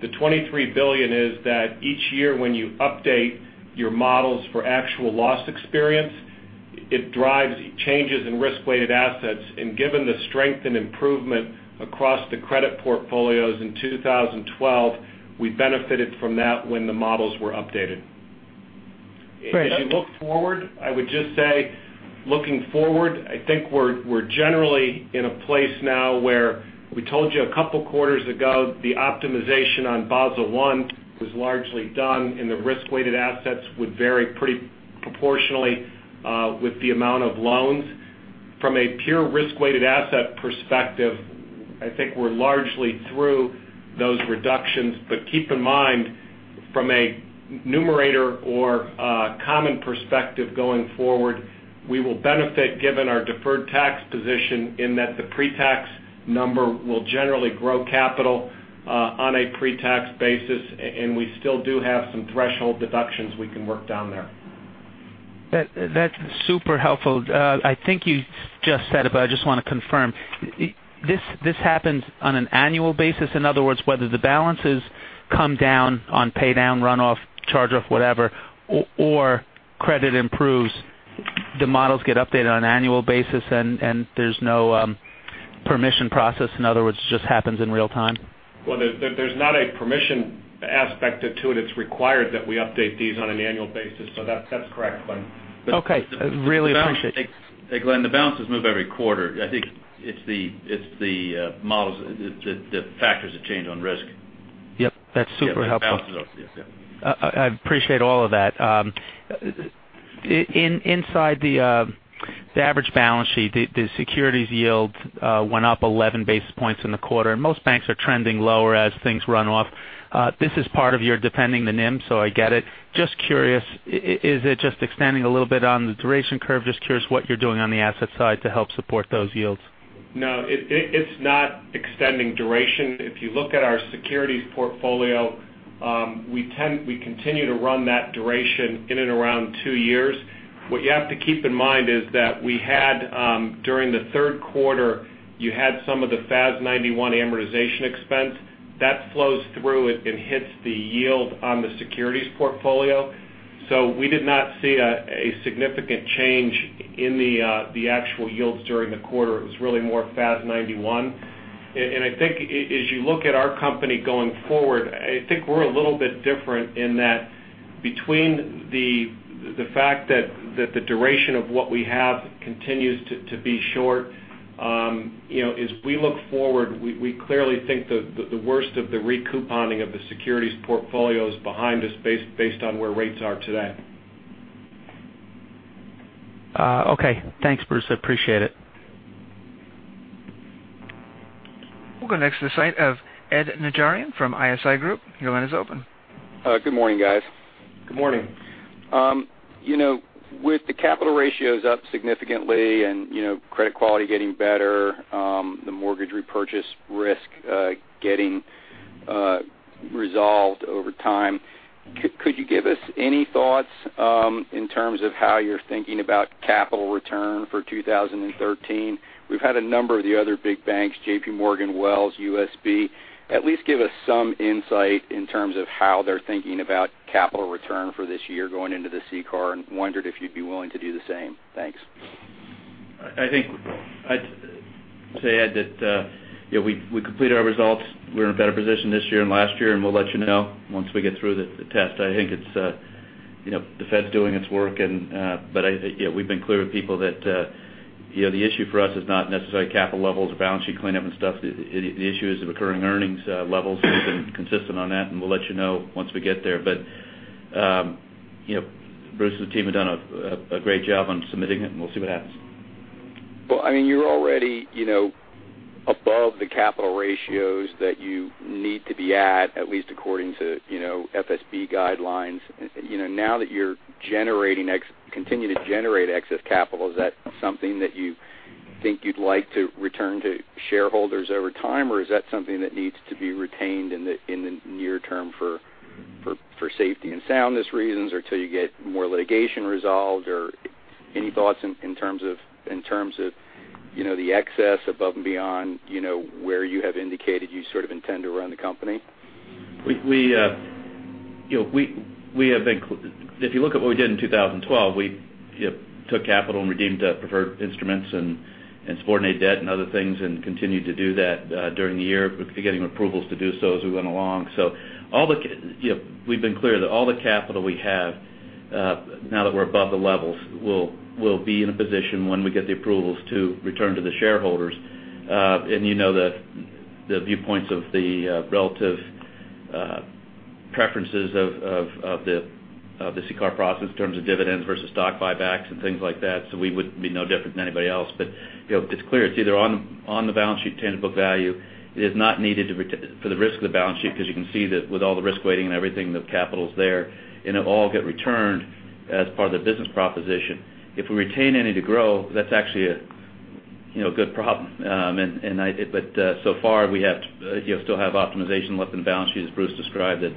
The $23 billion is that each year when you update your models for actual loss experience, it drives changes in risk-weighted assets. Given the strength and improvement across the credit portfolios in 2012, we benefited from that when the models were updated. Great. If you look forward, I would just say looking forward, I think we're generally in a place now where we told you a couple of quarters ago the optimization on Basel I was largely done, and the risk-weighted assets would vary pretty proportionally with the amount of loans. From a pure risk-weighted asset perspective, I think we're largely through those reductions. Keep in mind, from a numerator or a common perspective going forward, we will benefit given our deferred tax position in that the pre-tax number will generally grow capital on a pre-tax basis, and we still do have some threshold deductions we can work down there. That's super helpful. I think you just said it, I just want to confirm. This happens on an annual basis? In other words, whether the balances come down on pay down, run off, charge off, whatever, or credit improves, the models get updated on an annual basis, and there's no permission process, in other words, just happens in real time? There's not a permission aspect to it. It's required that we update these on an annual basis. That's correct, Glenn. Okay. Really appreciate- Hey, Glenn, the balances move every quarter. I think it's the models, the factors that change on risk. Yep, that's super helpful. Yes, the balances. Yes. I appreciate all of that. Inside the average balance sheet, the securities yield went up 11 basis points in the quarter. Most banks are trending lower as things run off. This is part of your defending the NIM. I get it. Just curious, is it just extending a little bit on the duration curve? Just curious what you're doing on the asset side to help support those yields. No, it's not extending duration. If you look at our securities portfolio, we continue to run that duration in and around two years. What you have to keep in mind is that we had, during the third quarter, you had some of the FAS 91 amortization expense. That flows through it and hits the yield on the securities portfolio. We did not see a significant change in the actual yields during the quarter. It was really more FAS 91. I think as you look at our company going forward, I think we're a little bit different in that between the fact that the duration of what we have continues to be short. As we look forward, we clearly think the worst of the recouponing of the securities portfolio is behind us based on where rates are today. Okay. Thanks, Bruce. I appreciate it. We'll go next to the side of Ed Najarian from ISI Group. Your line is open. Good morning, guys. Good morning. With the capital ratios up significantly and credit quality getting better, the mortgage repurchase risk getting resolved over time, could you give us any thoughts in terms of how you're thinking about capital return for 2013? We've had a number of the other big banks, JPMorgan, Wells, USB. At least give us some insight in terms of how they're thinking about capital return for this year going into the CCAR, and wondered if you'd be willing to do the same. Thanks. I think I'd say, Ed, that we completed our results. We're in a better position this year than last year. We'll let you know once we get through the test. I think it's the Fed's doing its work. We've been clear with people that the issue for us is not necessarily capital levels or balance sheet cleanup and stuff. The issue is of recurring earnings levels. We've been consistent on that. We'll let you know once we get there. Bruce and the team have done a great job on submitting it. We'll see what happens. Well, you're already above the capital ratios that you need to be at least according to FSB guidelines. Now that you continue to generate excess capital, is that something that you think you'd like to return to shareholders over time, or is that something that needs to be retained in the near term for safety and soundness reasons until you get more litigation resolved? Any thoughts in terms of the excess above and beyond where you have indicated you sort of intend to run the company? If you look at what we did in 2012, we took capital and redeemed preferred instruments and subordinate debt and other things and continued to do that during the year, getting approvals to do so as we went along. We've been clear that all the capital we have, now that we're above the levels, will be in a position when we get the approvals to return to the shareholders. You know the viewpoints of the relative preferences of the CCAR process in terms of dividends versus stock buybacks and things like that. We would be no different than anybody else. It's clear it's either on the balance sheet tangible value. It is not needed for the risk of the balance sheet because you can see that with all the risk weighting and everything, the capital's there. It will all get returned as part of the business proposition. If we retain any to grow, that's actually a good problem. So far, we still have optimization left in the balance sheet, as Bruce described, that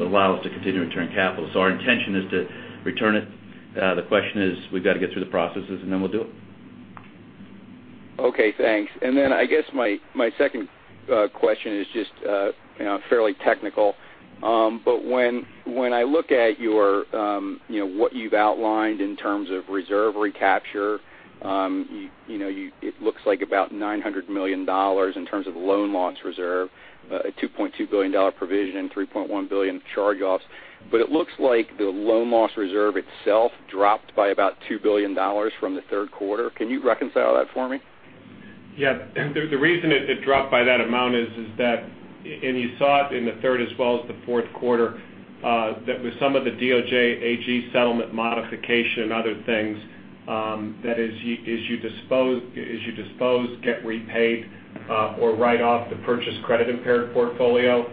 allow us to continue to return capital. Our intention is to return it. The question is we've got to get through the processes. We'll do it. Okay, thanks. I guess my second question is just fairly technical. When I look at what you've outlined in terms of reserve recapture, it looks like about $900 million in terms of loan loss reserve, a $2.2 billion provision, $3.1 billion charge-offs. It looks like the loan loss reserve itself dropped by about $2 billion from the third quarter. Can you reconcile that for me? Yeah. The reason it dropped by that amount is that, and you saw it in the third as well as the fourth quarter, that with some of the DOJ, AG settlement modification and other things, that as you dispose, get repaid, or write off the purchase credit-impaired portfolio,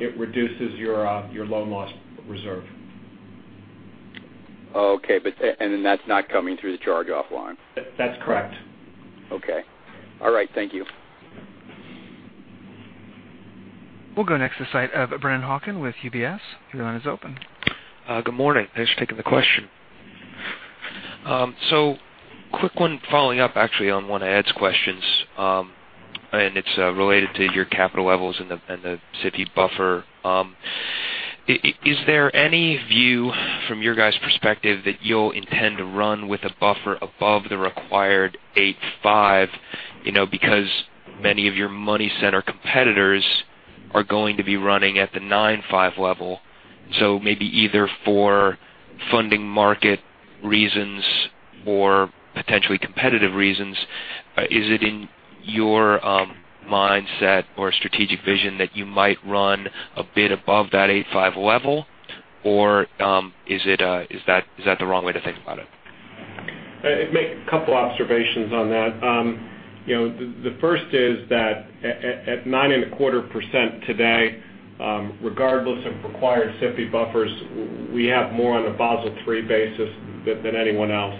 it reduces your loan loss reserve. Okay. That's not coming through the charge-off line? That's correct. Okay. All right. Thank you. We'll go next to the site of Brennan Hawken with UBS. Your line is open. Good morning. Thanks for taking the question. Quick one following up actually on one of Ed's questions, and it's related to your capital levels and the SIFI buffer. Is there any view from your guys' perspective that you'll intend to run with a buffer above the required 8.5, because many of your money center competitors are going to be running at the 9.5 level. Maybe either for funding market reasons or potentially competitive reasons, is it in your mindset or strategic vision that you might run a bit above that 8.5 level, or is that the wrong way to think about it? Make a couple observations on that. The first is that at 9.25% today, regardless of required CET1 buffers, we have more on a Basel III basis than anyone else.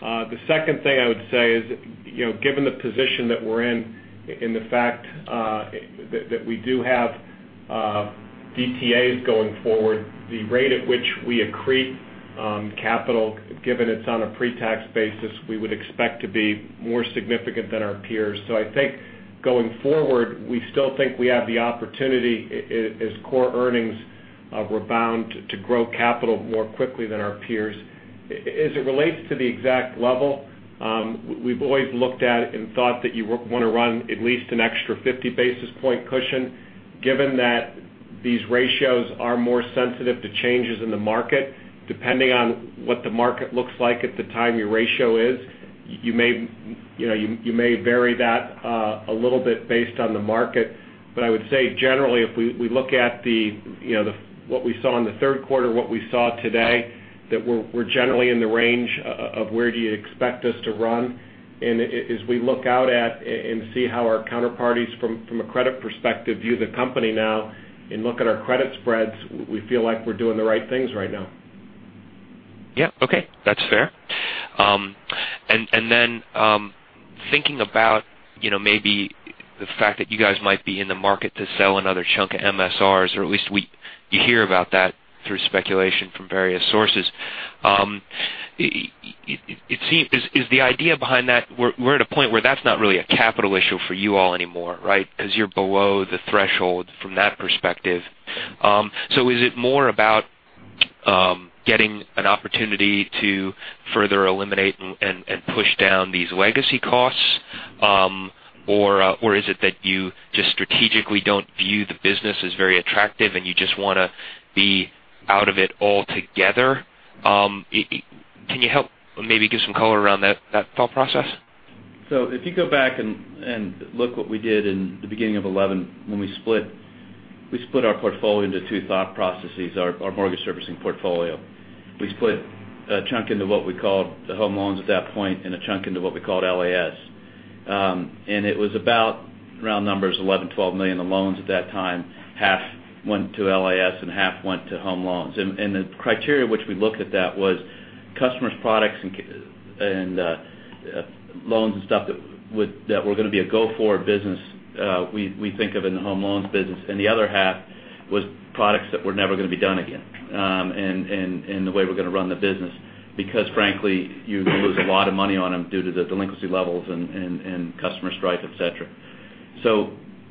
The second thing I would say is, given the position that we're in and the fact that we do have DTAs going forward, the rate at which we accrete capital, given it's on a pre-tax basis, we would expect to be more significant than our peers. I think going forward, we still think we have the opportunity as core earnings rebound to grow capital more quickly than our peers. As it relates to the exact level, we've always looked at and thought that you want to run at least an extra 50 basis point cushion. Given that these ratios are more sensitive to changes in the market, depending on what the market looks like at the time your ratio is, you may vary that a little bit based on the market. I would say generally, if we look at what we saw in the third quarter, what we saw today, that we're generally in the range of where do you expect us to run. As we look out at and see how our counterparties from a credit perspective view the company now and look at our credit spreads, we feel like we're doing the right things right now. Yeah. Okay. That's fair. Then thinking about maybe the fact that you guys might be in the market to sell another chunk of MSRs, or at least you hear about that through speculation from various sources. Is the idea behind that we're at a point where that's not really a capital issue for you all anymore, right? Because you're below the threshold from that perspective. Is it more about getting an opportunity to further eliminate and push down these legacy costs? Is it that you just strategically don't view the business as very attractive, and you just want to be out of it altogether? Can you help maybe give some color around that thought process? If you go back and look what we did in the beginning of 2011, when we split our portfolio into two thought processes, our mortgage servicing portfolio. We split a chunk into what we called the home loans at that point and a chunk into what we called LAS. It was about round numbers, 11, 12 million of loans at that time. Half went to LAS and half went to home loans. The criteria which we looked at that was customers products and loans and stuff that were going to be a go forward business we think of in the home loans business. The other half was products that were never going to be done again in the way we're going to run the business because frankly, you lose a lot of money on them due to the delinquency levels and customer strife, et cetera.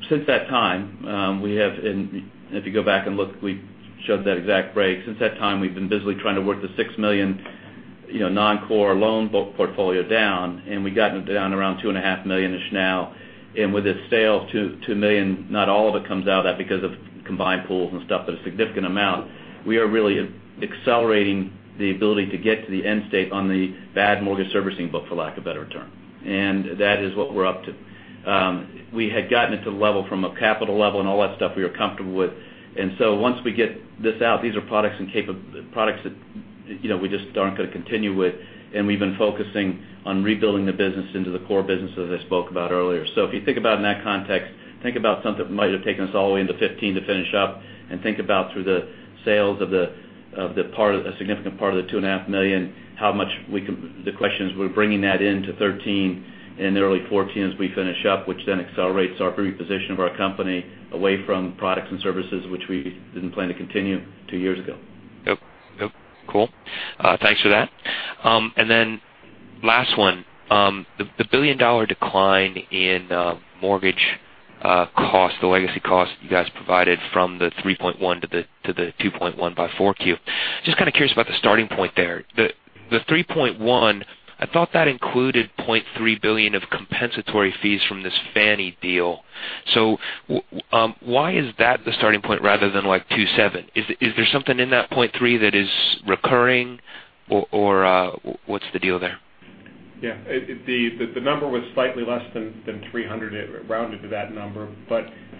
Since that time, and if you go back and look, we showed that exact break. Since that time, we've been busily trying to work the $6 million non-core loan book portfolio down, and we've gotten it down around $2.5 million-ish now. With its sales, $2 million, not all of it comes out of that because of combined pools and stuff, but a significant amount. We are really accelerating the ability to get to the end state on the bad mortgage servicing book, for lack of a better term. That is what we're up to. We had gotten it to a level from a capital level and all that stuff we were comfortable with. Once we get this out, these are products that we just aren't going to continue with. We've been focusing on rebuilding the business into the core business, as I spoke about earlier. If you think about in that context, think about something that might have taken us all the way into 2015 to finish up and think about through the sales of a significant part of the $2.5 million. The question is, we're bringing that into 2013 and early 2014 as we finish up, which then accelerates our reposition of our company away from products and services which we didn't plan to continue two years ago. Yep. Cool. Thanks for that. Last one. The billion-dollar decline in mortgage cost, the legacy cost you guys provided from the $3.1 billion to the $2.1 billion by Q4. Just kind of curious about the starting point there. The $3.1 billion, I thought that included $0.3 billion of compensatory fees from this Fannie Mae deal. Why is that the starting point rather than like $2.7 billion? Is there something in that $0.3 billion that is recurring, or what's the deal there? Yeah. The number was slightly less than $300 million rounded to that number.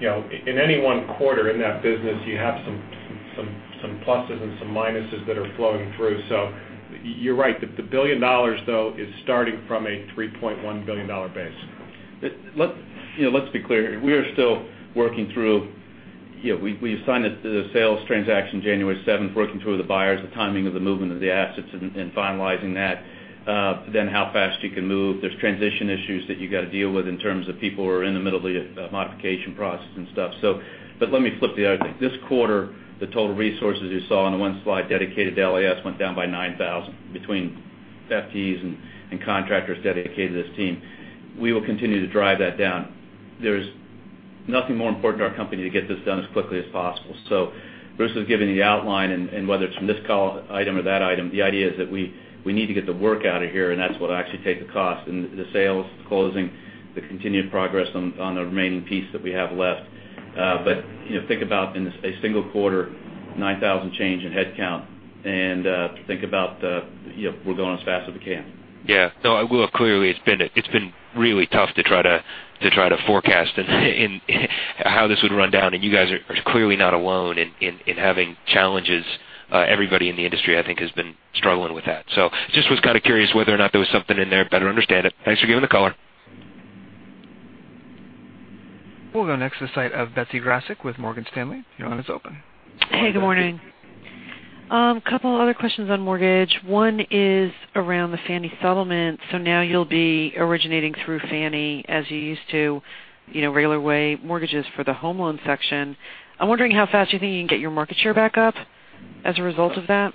In any one quarter in that business, you have some pluses and some minuses that are flowing through. You're right. The $1 billion, though, is starting from a $3.1 billion base. Let's be clear. We signed the sales transaction January 7th, working through the buyers, the timing of the movement of the assets, finalizing that. How fast you can move. There's transition issues that you got to deal with in terms of people who are in the middle of the modification process and stuff. Let me flip the other thing. This quarter, the total resources you saw on the one slide dedicated to LAS went down by 9,000 between FTEs and contractors dedicated to this team. We will continue to drive that down. There's nothing more important to our company to get this done as quickly as possible. Bruce was giving the outline, and whether it's from this call item or that item, the idea is that we need to get the work out of here, and that's what'll actually take the cost, and the sales, the closing, the continued progress on the remaining piece that we have left. Think about in a single quarter, 9,000 change in headcount, and think about we're going as fast as we can. Yeah. No. Well, clearly, it's been really tough to try to forecast how this would run down, and you guys are clearly not alone in having challenges. Everybody in the industry, I think, has been struggling with that. Just was kind of curious whether or not there was something in there better understand it. Thanks for giving the color. We'll go next to the site of Betsy Graseck with Morgan Stanley. Your line is open. Good morning. A couple other questions on mortgage. One is around the Fannie settlement. Now you'll be originating through Fannie as you used to, regular way mortgages for the home loan section. I'm wondering how fast you think you can get your market share back up as a result of that.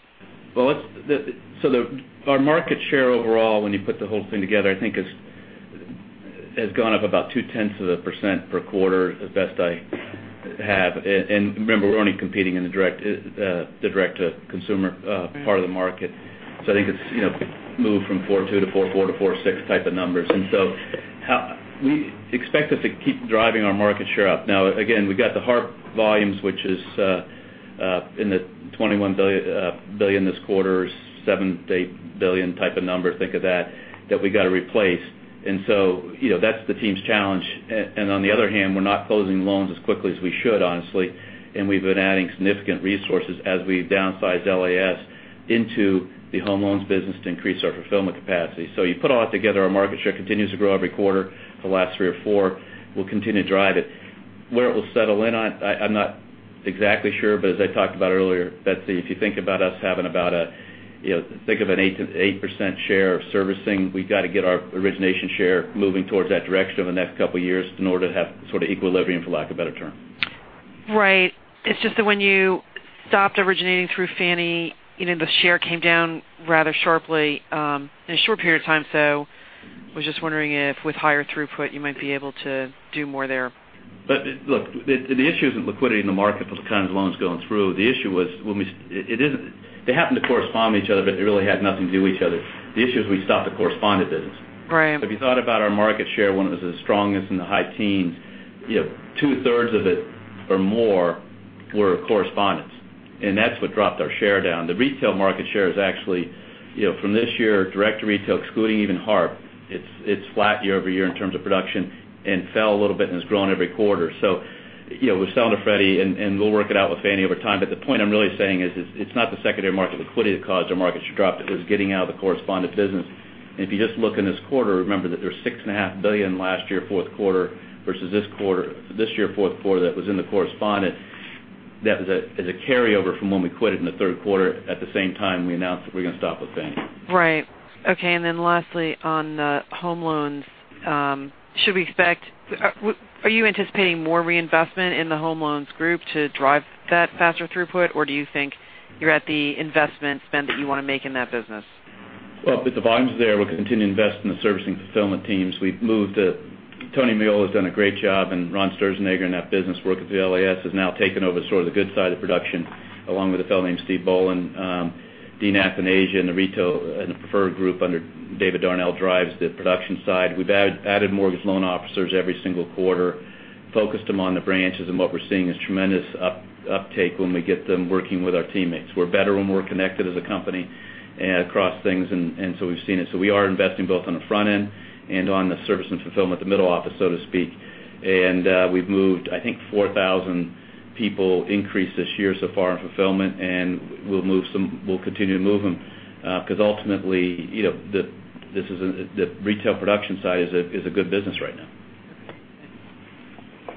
Our market share overall, when you put the whole thing together, I think has gone up about 0.2% per quarter as best I have. Remember, we're only competing in the direct-to-consumer part of the market. I think it's moved from 4.2% to 4.4% to 4.6% type of numbers. Expect us to keep driving our market share up. Now, again, we've got the HARP volumes, which is in the $21 billion this quarter, $7 billion-$8 billion type of number, think of that we got to replace. That's the team's challenge. On the other hand, we're not closing loans as quickly as we should, honestly, and we've been adding significant resources as we downsize LAS into the home loans business to increase our fulfillment capacity. You put all that together, our market share continues to grow every quarter, the last three or four. We'll continue to drive it. Where it will settle in, I'm not exactly sure. As I talked about earlier, Betsy, if you think about us having think of an 8% share of servicing. We've got to get our origination share moving towards that direction over the next couple of years in order to have sort of equilibrium, for lack of a better term. Right. It's just that when you stopped originating through Fannie, the share came down rather sharply in a short period of time. I was just wondering if with higher throughput, you might be able to do more there. Look, the issue isn't liquidity in the market for the kind of loans going through. The issue was when they happen to correspond with each other, but they really had nothing to do with each other. The issue is we stopped the correspondent business. Right. If you thought about our market share when it was the strongest in the high teens, two-thirds of it or more were correspondents, and that's what dropped our share down. The retail market share is actually from this year, direct to retail, excluding even HARP, it's flat year-over-year in terms of production and fell a little bit, and it's grown every quarter. We're selling to Freddie, and we'll work it out with Fannie over time. The point I'm really saying is it's not the secondary market liquidity that caused our market share drop. It was getting out of the correspondent business. If you just look in this quarter, remember that there's $6.5 billion last year, fourth quarter versus this year, fourth quarter that was in the correspondent. That is a carryover from when we quit it in the third quarter at the same time we announced that we're going to stop with Fannie. Right. Okay. Lastly, on the home loans, are you anticipating more reinvestment in the home loans group to drive that faster throughput, or do you think you're at the investment spend that you want to make in that business? Well, with the volumes there, we'll continue to invest in the servicing fulfillment teams. Tony Meola has done a great job, Ron Sturzenegger in that business working with the LAS has now taken over sort of the good side of production, along with a fellow named Steve Boland. Dean Athanasiou in the retail and the preferred group under David Darnell drives the production side. We've added mortgage loan officers every single quarter, focused them on the branches, what we're seeing is tremendous uptake when we get them working with our teammates. We're better when we're connected as a company across things, we've seen it. We are investing both on the front end and on the service and fulfillment, the middle office, so to speak. We've moved, I think, 4,000 people increase this year so far in fulfillment, we'll continue to move them because ultimately, the retail production side is a good business right now. Okay.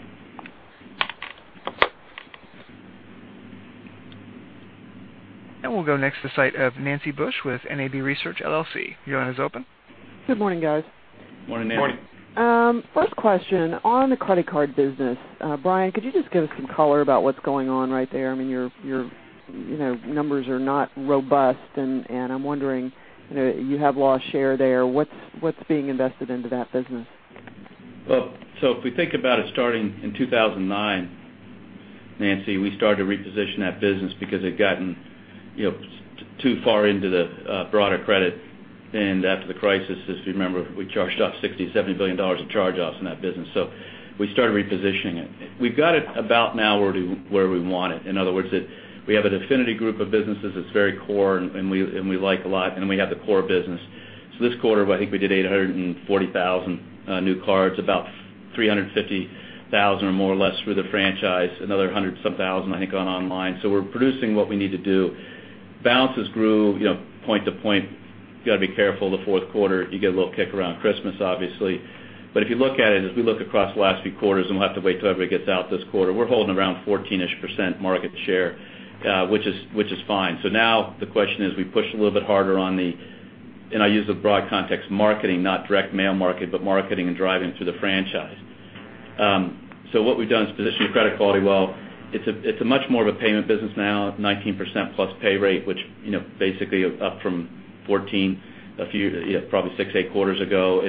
Thanks. We'll go next to the site of Nancy Bush with NAB Research, LLC. Your line is open. Good morning, guys. Morning, Nancy. Morning. First question, on the credit card business, Brian, could you just give us some color about what's going on right there? Your numbers are not robust, and I'm wondering, you have lost share there. What's being invested into that business? If we think about it starting in 2009, Nancy, we started to reposition that business because it had gotten too far into the broader credit. After the crisis, as you remember, we charged off $60, $70 billion of charge-offs in that business. We started repositioning it. We've got it about now where we want it. In other words, we have an affinity group of businesses that's very core and we like a lot, and we have the core business. This quarter, I think we did 840,000 new cards, about 350,000 or more or less through the franchise, another 100 some thousand, I think, on online. We're producing what we need to do. Balances grew point to point. You got to be careful the fourth quarter. You get a little kick around Christmas, obviously. If you look at it as we look across the last few quarters, and we'll have to wait till everybody gets out this quarter, we're holding around 14%-ish market share which is fine. Now the question is we push a little bit harder on the, and I use the broad context, marketing, not direct mail market, but marketing and driving through the franchise. What we've done is position the credit quality well. It's a much more of a payment business now, 19%+ pay rate, which basically up from 14%, probably six, eight quarters ago.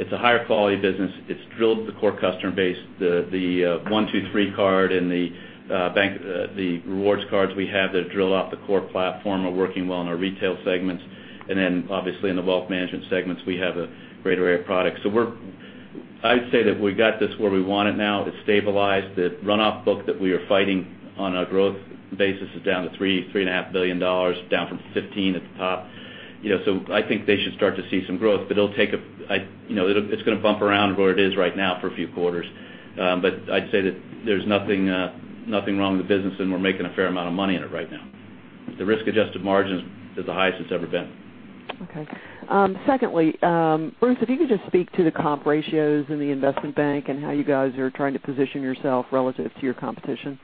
It's a higher quality business. It's drilled the core customer base, the 123 card and the rewards cards we have that drill off the core platform are working well in our retail segments. Then obviously in the wealth management segments, we have a greater array of products. I'd say that we've got this where we want it now. It's stabilized. The runoff book that we are fighting on a growth basis is down to $3.5 billion, down from $15 billion at the top. I think they should start to see some growth, but it's going to bump around where it is right now for a few quarters. I'd say that there's nothing wrong with the business and we're making a fair amount of money in it right now. The risk-adjusted margin is the highest it's ever been. Okay. Secondly, Bruce, if you could just speak to the comp ratios in the investment bank and how you guys are trying to position yourself relative to your competition.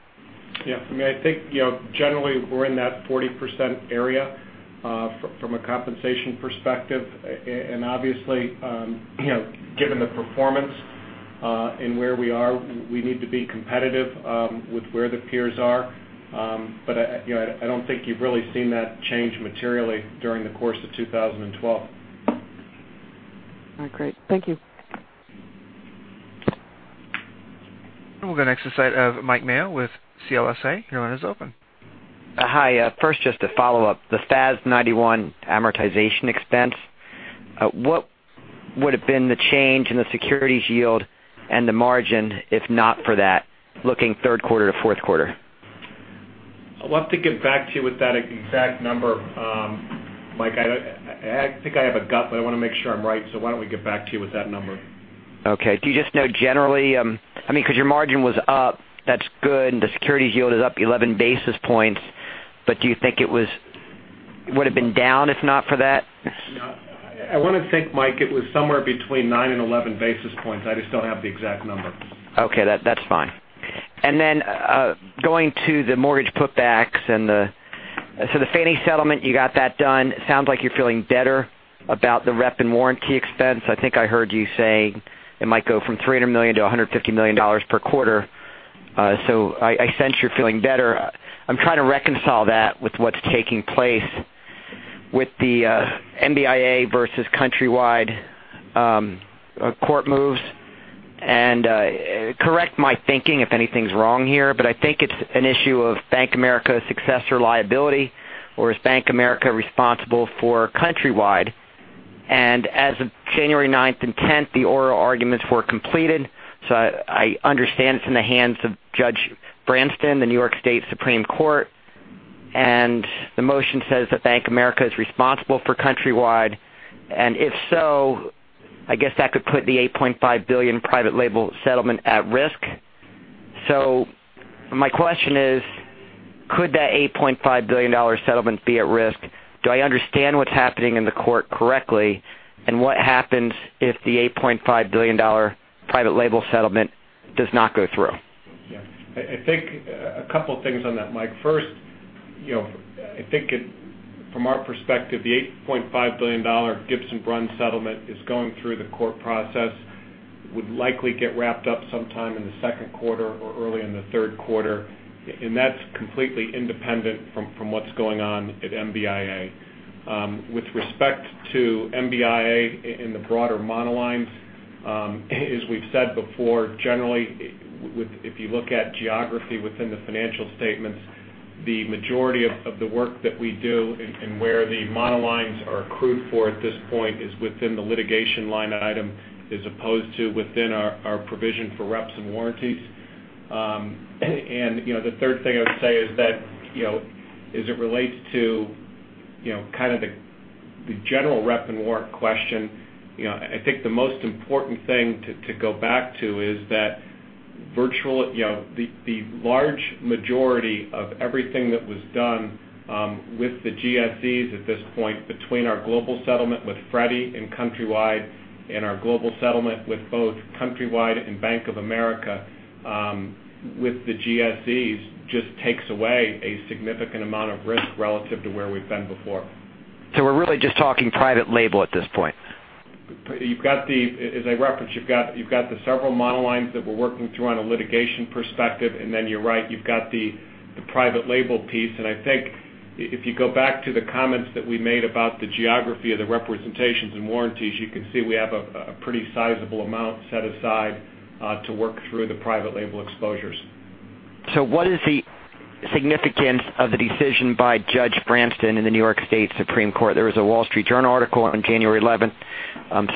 Yeah. I think generally we're in that 40% area from a compensation perspective. Obviously, given the performance and where we are, we need to be competitive with where the peers are. I don't think you've really seen that change materially during the course of 2012. All right, great. Thank you. We'll go next to the side of Mike Mayo with CLSA. Your line is open. Hi. First, just to follow up, the FAS 91 amortization expense. What would have been the change in the securities yield and the margin, if not for that, looking third quarter to fourth quarter? I'll have to get back to you with that exact number. Mike, I think I have a gut, but I want to make sure I'm right. Why don't we get back to you with that number? Okay. Do you just know generally? Your margin was up, that's good, and the securities yield is up 11 basis points. Do you think it would have been down if not for that? I want to think, Mike, it was somewhere between nine and 11 basis points. I just don't have the exact number. Okay, that's fine. Going to the mortgage put backs. The Fannie settlement, you got that done. It sounds like you're feeling better about the rep and warranty expense. I think I heard you say it might go from $300 million to $150 million per quarter. I sense you're feeling better. I'm trying to reconcile that with what's taking place with the MBIA versus Countrywide court moves. Correct my thinking if anything's wrong here, I think it's an issue of Bank of America successor liability, or is Bank of America responsible for Countrywide? As of January 9th and 10th, the oral arguments were completed. I understand it's in the hands of Justice Bransten, the New York State Supreme Court. The motion says that Bank of America is responsible for Countrywide, and if so, I guess that could put the $8.5 billion private label settlement at risk. My question is, could that $8.5 billion settlement be at risk? Do I understand what's happening in the court correctly? What happens if the $8.5 billion private label settlement does not go through? Yeah. I think a couple of things on that, Mike. First, I think from our perspective, the $8.5 billion Gibbs & Bruns settlement is going through the court process, would likely get wrapped up sometime in the second quarter or early in the third quarter. That's completely independent from what's going on at MBIA. With respect to MBIA in the broader monolines, as we've said before, generally, if you look at geography within the financial statements, the majority of the work that we do and where the monolines are accrued for at this point is within the litigation line item as opposed to within our provision for reps and warranties. The third thing I would say is that as it relates to kind of the general rep and warrant question, I think the most important thing to go back to is that the large majority of everything that was done with the GSEs at this point between our global settlement with Freddie and Countrywide and our global settlement with both Countrywide and Bank of America with the GSEs just takes away a significant amount of risk relative to where we've been before. We're really just talking private label at this point. As I referenced, you've got the several monolines that we're working through on a litigation perspective, and then you're right, you've got the private label piece. I think if you go back to the comments that we made about the geography of the representations and warranties, you can see we have a pretty sizable amount set aside to work through the private label exposures. What is the significance of the decision by Judge Bransten in the Supreme Court of the State of New York? There was a The Wall Street Journal article on January 11th,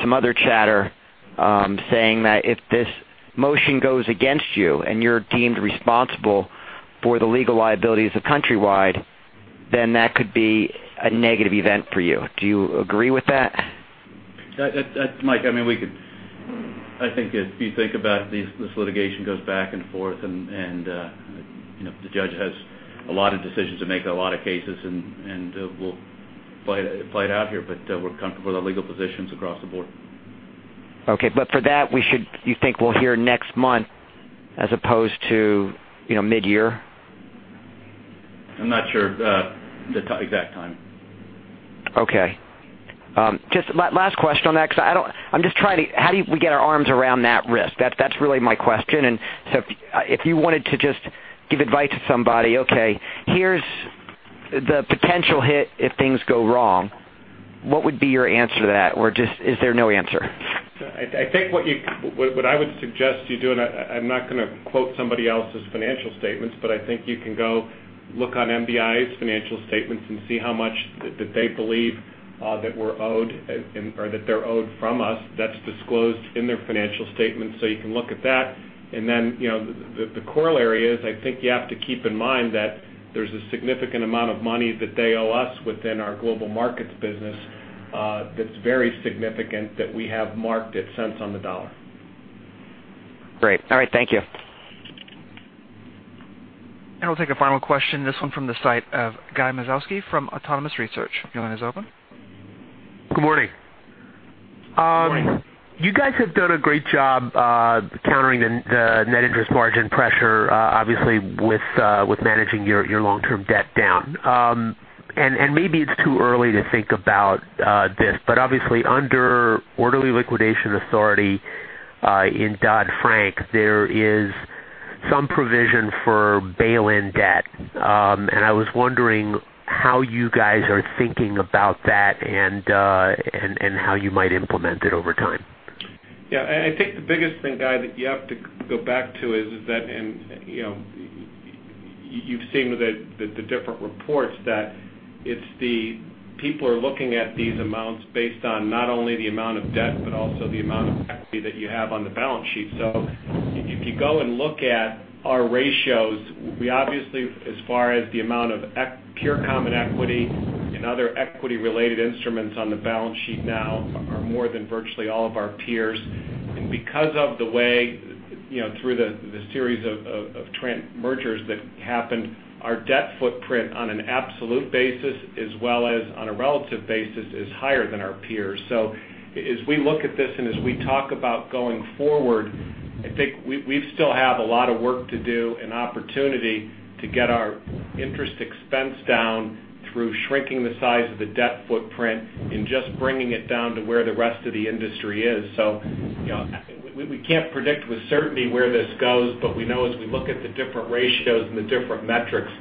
some other chatter saying that if this motion goes against you and you're deemed responsible for the legal liability as a Countrywide, then that could be a negative event for you. Do you agree with that? Mike, I think if you think about this litigation goes back and forth, and the judge has a lot of decisions to make on a lot of cases, and we'll play it out here. We're comfortable with our legal positions across the board. Okay. For that, you think we'll hear next month as opposed to mid-year? I'm not sure the exact time. Okay. Just last question on that, because how do we get our arms around that risk? That's really my question. If you wanted to just give advice to somebody, okay, here's the potential hit if things go wrong, what would be your answer to that? Just is there no answer? I think what I would suggest you do, I'm not going to quote somebody else's financial statements, but I think you can go look on MBIA's financial statements and see how much that they believe that we're owed or that they're owed from us. That's disclosed in their financial statements, so you can look at that. The corollary is, I think you have to keep in mind that there's a significant amount of money that they owe us within our Global Markets business, that's very significant that we have marked at cents on the dollar. Great. All right, thank you. We'll take a final question, this one from the site of Guy Moszkowski from Autonomous Research. Your line is open. Good morning. Good morning. You guys have done a great job countering the net interest margin pressure, obviously, with managing your long-term debt down. Maybe it's too early to think about this, but obviously, under orderly liquidation authority in Dodd-Frank, there is some provision for bail-in debt. I was wondering how you guys are thinking about that and how you might implement it over time. Yeah. I think the biggest thing, Guy, that you have to go back to is that you've seen the different reports that it's the people are looking at these amounts based on not only the amount of debt, but also the amount of equity that you have on the balance sheet. If you go and look at our ratios, we obviously, as far as the amount of pure common equity and other equity-related instruments on the balance sheet now are more than virtually all of our peers. Because of the way through the series of mergers that happened, our debt footprint on an absolute basis as well as on a relative basis, is higher than our peers. As we look at this and as we talk about going forward, I think we still have a lot of work to do and opportunity to get our interest expense down through shrinking the size of the debt footprint and just bringing it down to where the rest of the industry is. We can't predict with certainty where this goes, but we know as we look at the different ratios and the different metrics,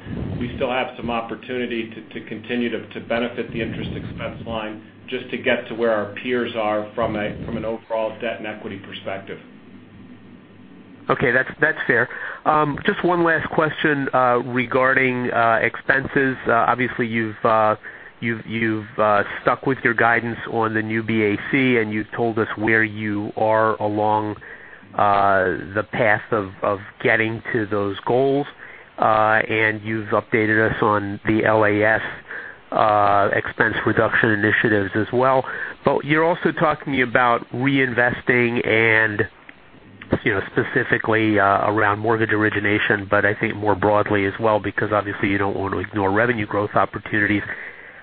we still have some opportunity to continue to benefit the interest expense line just to get to where our peers are from an overall debt and equity perspective. Okay. That's fair. Just one last question regarding expenses. Obviously, you've stuck with your guidance on Project New BAC, and you told us where you are along the path of getting to those goals. You've updated us on the LAS expense reduction initiatives as well, but you're also talking about reinvesting and specifically around mortgage origination, but I think more broadly as well, because obviously you don't want to ignore revenue growth opportunities.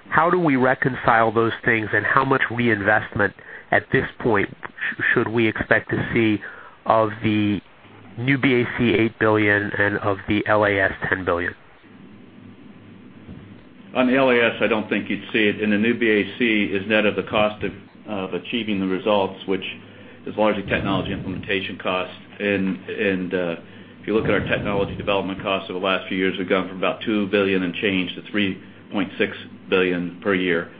How do we reconcile those things and how much reinvestment at this point should we expect to see of Project New BAC $8 billion and of the LAS $10 billion? On the LAS, I don't think you'd see it. Project New BAC is net of the cost of achieving the results, which is largely technology implementation cost. If you look at our technology development costs over the last few years, we've gone from about $2 billion and change to $3.6 billion per year.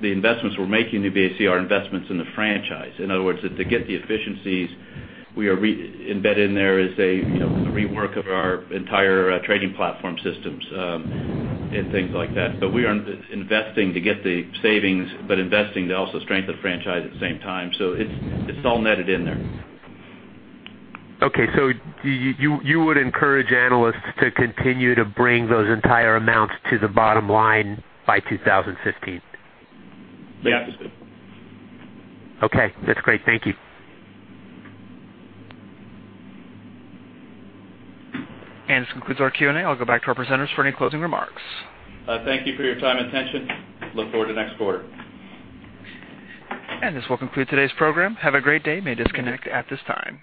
The investments we're making in Project New BAC are investments in the franchise. In other words, to get the efficiencies embedded in there is a rework of our entire trading platform systems, and things like that. We are investing to get the savings, but investing to also strengthen the franchise at the same time. It's all netted in there. Okay. You would encourage analysts to continue to bring those entire amounts to the bottom line by 2015? Yeah. Okay. That's great. Thank you. This concludes our Q&A. I'll go back to our presenters for any closing remarks. Thank you for your time and attention. Look forward to next quarter. This will conclude today's program. Have a great day. May disconnect at this time.